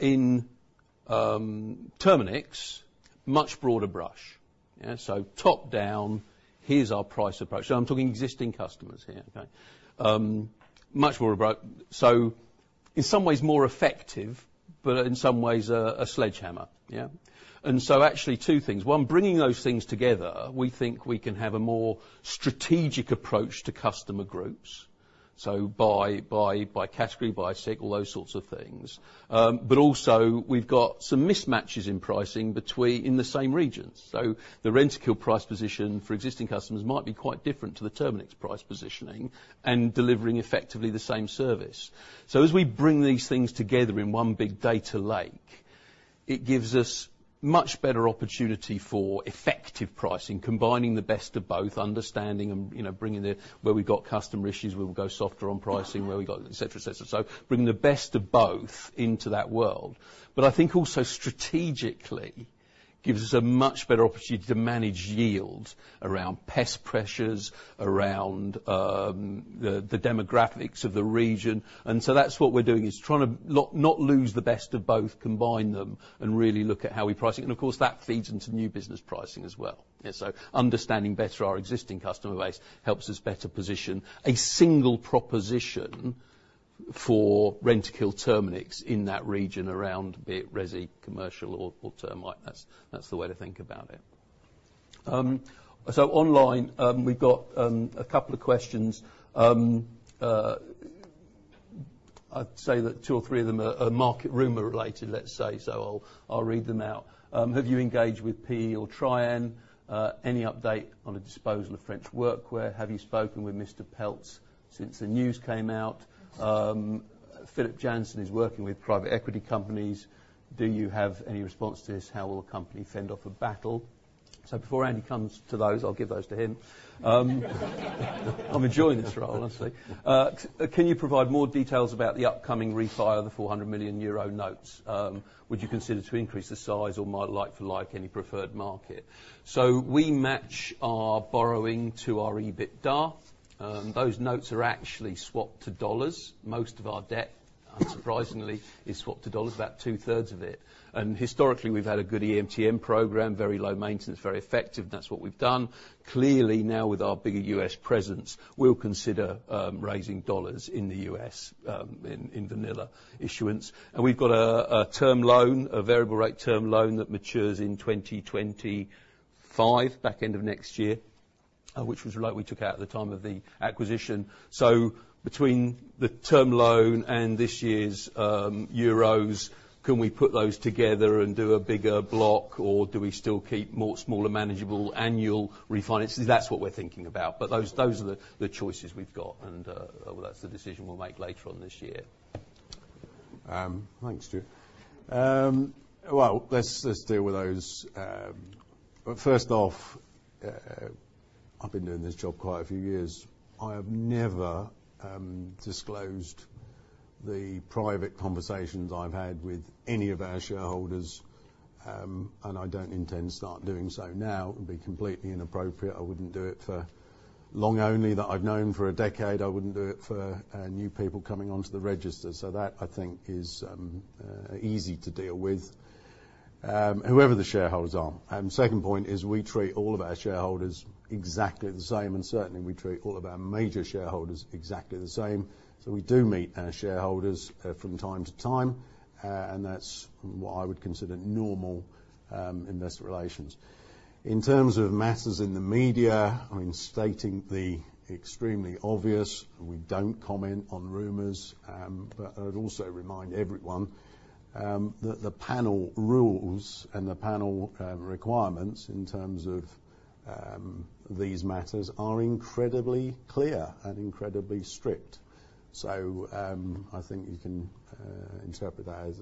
[SPEAKER 2] In Terminix, much broader brush. Yeah, so top down, here's our price approach. So I'm talking existing customers here, okay? Much more about. So in some ways, more effective, but in some ways, a sledgehammer, yeah? And so actually, two things. One, bringing those things together, we think we can have a more strategic approach to customer groups, so by category, by seg, all those sorts of things. But also, we've got some mismatches in pricing between in the same regions. So the Rentokil price position for existing customers might be quite different to the Terminix price positioning, and delivering effectively the same service. So as we bring these things together in one big data lake, it gives us much better opportunity for effective pricing, combining the best of both, understanding and, you know, bringing the... Where we've got customer issues, we will go softer on pricing, where we've got et cetera, et cetera. So bringing the best of both into that world. But I think also strategically, gives us a much better opportunity to manage yield around pest pressures, around the demographics of the region. That's what we're doing, is trying to not, not lose the best of both, combine them and really look at how we price it. Of course, that feeds into new business pricing as well. Yeah, so understanding better our existing customer base helps us better position a single proposition for Rentokil Terminix in that region, around be it resi, commercial or, or termite. That's, that's the way to think about it. So online, we've got a couple of questions. I'd say that two or three of them are market rumor-related, let's say, so I'll read them out. Have you engaged with PE or Trian? Any update on the disposal of French workwear? Have you spoken with Mr. Peltz since the news came out? Philip Jansen is working with private equity companies. Do you have any response to this? How will the company fend off a battle? So before Andy comes to those, I'll give those to him. I'm enjoying this role, honestly. Can you provide more details about the upcoming refi of the 400 million euro notes? Would you consider to increase the size or more like for like any preferred market? So we match our borrowing to our EBITDA. Those notes are actually swapped to dollars. Most of our debt, unsurprisingly, is swapped to dollars, about 2/3 of it. And historically, we've had a good EMTN program, very low maintenance, very effective, and that's what we've done. Clearly now, with our bigger U.S. presence, we'll consider raising dollars in the U.S., in vanilla issuance. And we've got a term loan, a variable rate term loan that matures in 2025, back end of next year, which was like we took out at the time of the acquisition. So between the term loan and this year's euros, can we put those together and do a bigger block, or do we still keep more smaller, manageable annual refinances? That's what we're thinking about, but those, those are the, the choices we've got, and that's the decision we'll make later on this year.
[SPEAKER 1] Thanks, Stuart. Well, let's deal with those. But first off, I've been doing this job quite a few years. I have never disclosed the private conversations I've had with any of our shareholders, and I don't intend to start doing so now. It would be completely inappropriate. I wouldn't do it for long only, that I've known for a decade. I wouldn't do it for new people coming onto the register. So that, I think, is easy to deal with, whoever the shareholders are. And second point is, we treat all of our shareholders exactly the same, and certainly we treat all of our major shareholders exactly the same. So we do meet our shareholders from time to time, and that's what I would consider normal investor relations. In terms of matters in the media, I mean, stating the extremely obvious, we don't comment on rumors, but I would also remind everyone, that the Panel rules and the Panel requirements in terms of these matters are incredibly clear and incredibly strict. So, I think you can interpret that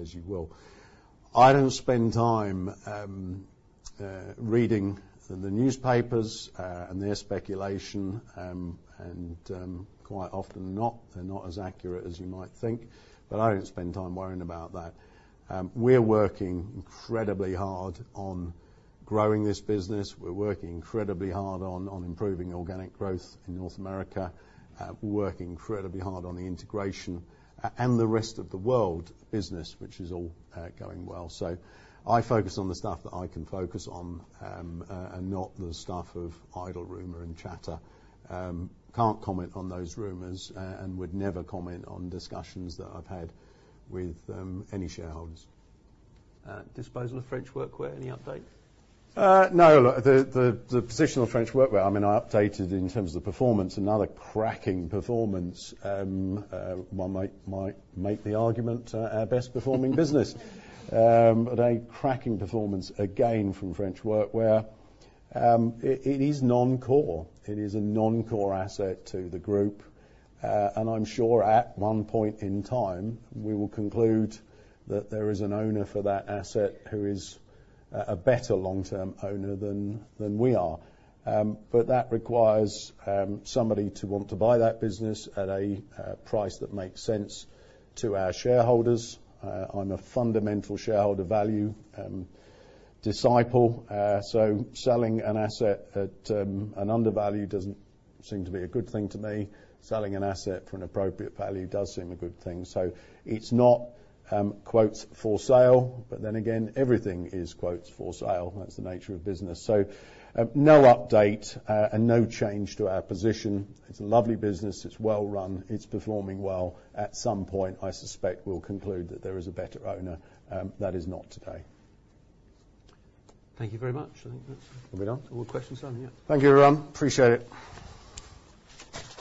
[SPEAKER 1] as you will. I don't spend time reading the newspapers and their speculation, and quite often, they're not as accurate as you might think, but I don't spend time worrying about that. We're working incredibly hard on growing this business. We're working incredibly hard on improving organic growth in North America, working incredibly hard on the integration and the rest of the world business, which is all going well. So I focus on the stuff that I can focus on, and not the stuff of idle rumor and chatter. Can't comment on those rumors and, and would never comment on discussions that I've had with, any shareholders.
[SPEAKER 12] Disposal of French workwear, any update?
[SPEAKER 1] No, the position on French workwear, I mean, I updated in terms of the performance, another cracking performance. One might make the argument, our best performing business. But a cracking performance again from French workwear. It is non-core. It is a non-core asset to the group. And I'm sure at one point in time, we will conclude that there is an owner for that asset who is a better long-term owner than we are. But that requires somebody to want to buy that business at a price that makes sense to our shareholders. I'm a fundamental shareholder value disciple, so selling an asset at an undervalue doesn't seem to be a good thing to me. Selling an asset for an appropriate value does seem a good thing. So it's not, quote, "for sale," but then again, everything is quote, "for sale." That's the nature of business. So, no update, and no change to our position. It's a lovely business. It's well-run. It's performing well. At some point, I suspect we'll conclude that there is a better owner. That is not today.
[SPEAKER 2] Thank you very much. I think that's-
[SPEAKER 1] Are we done?
[SPEAKER 2] All questions done, yeah.
[SPEAKER 1] Thank you, everyone. Appreciate it.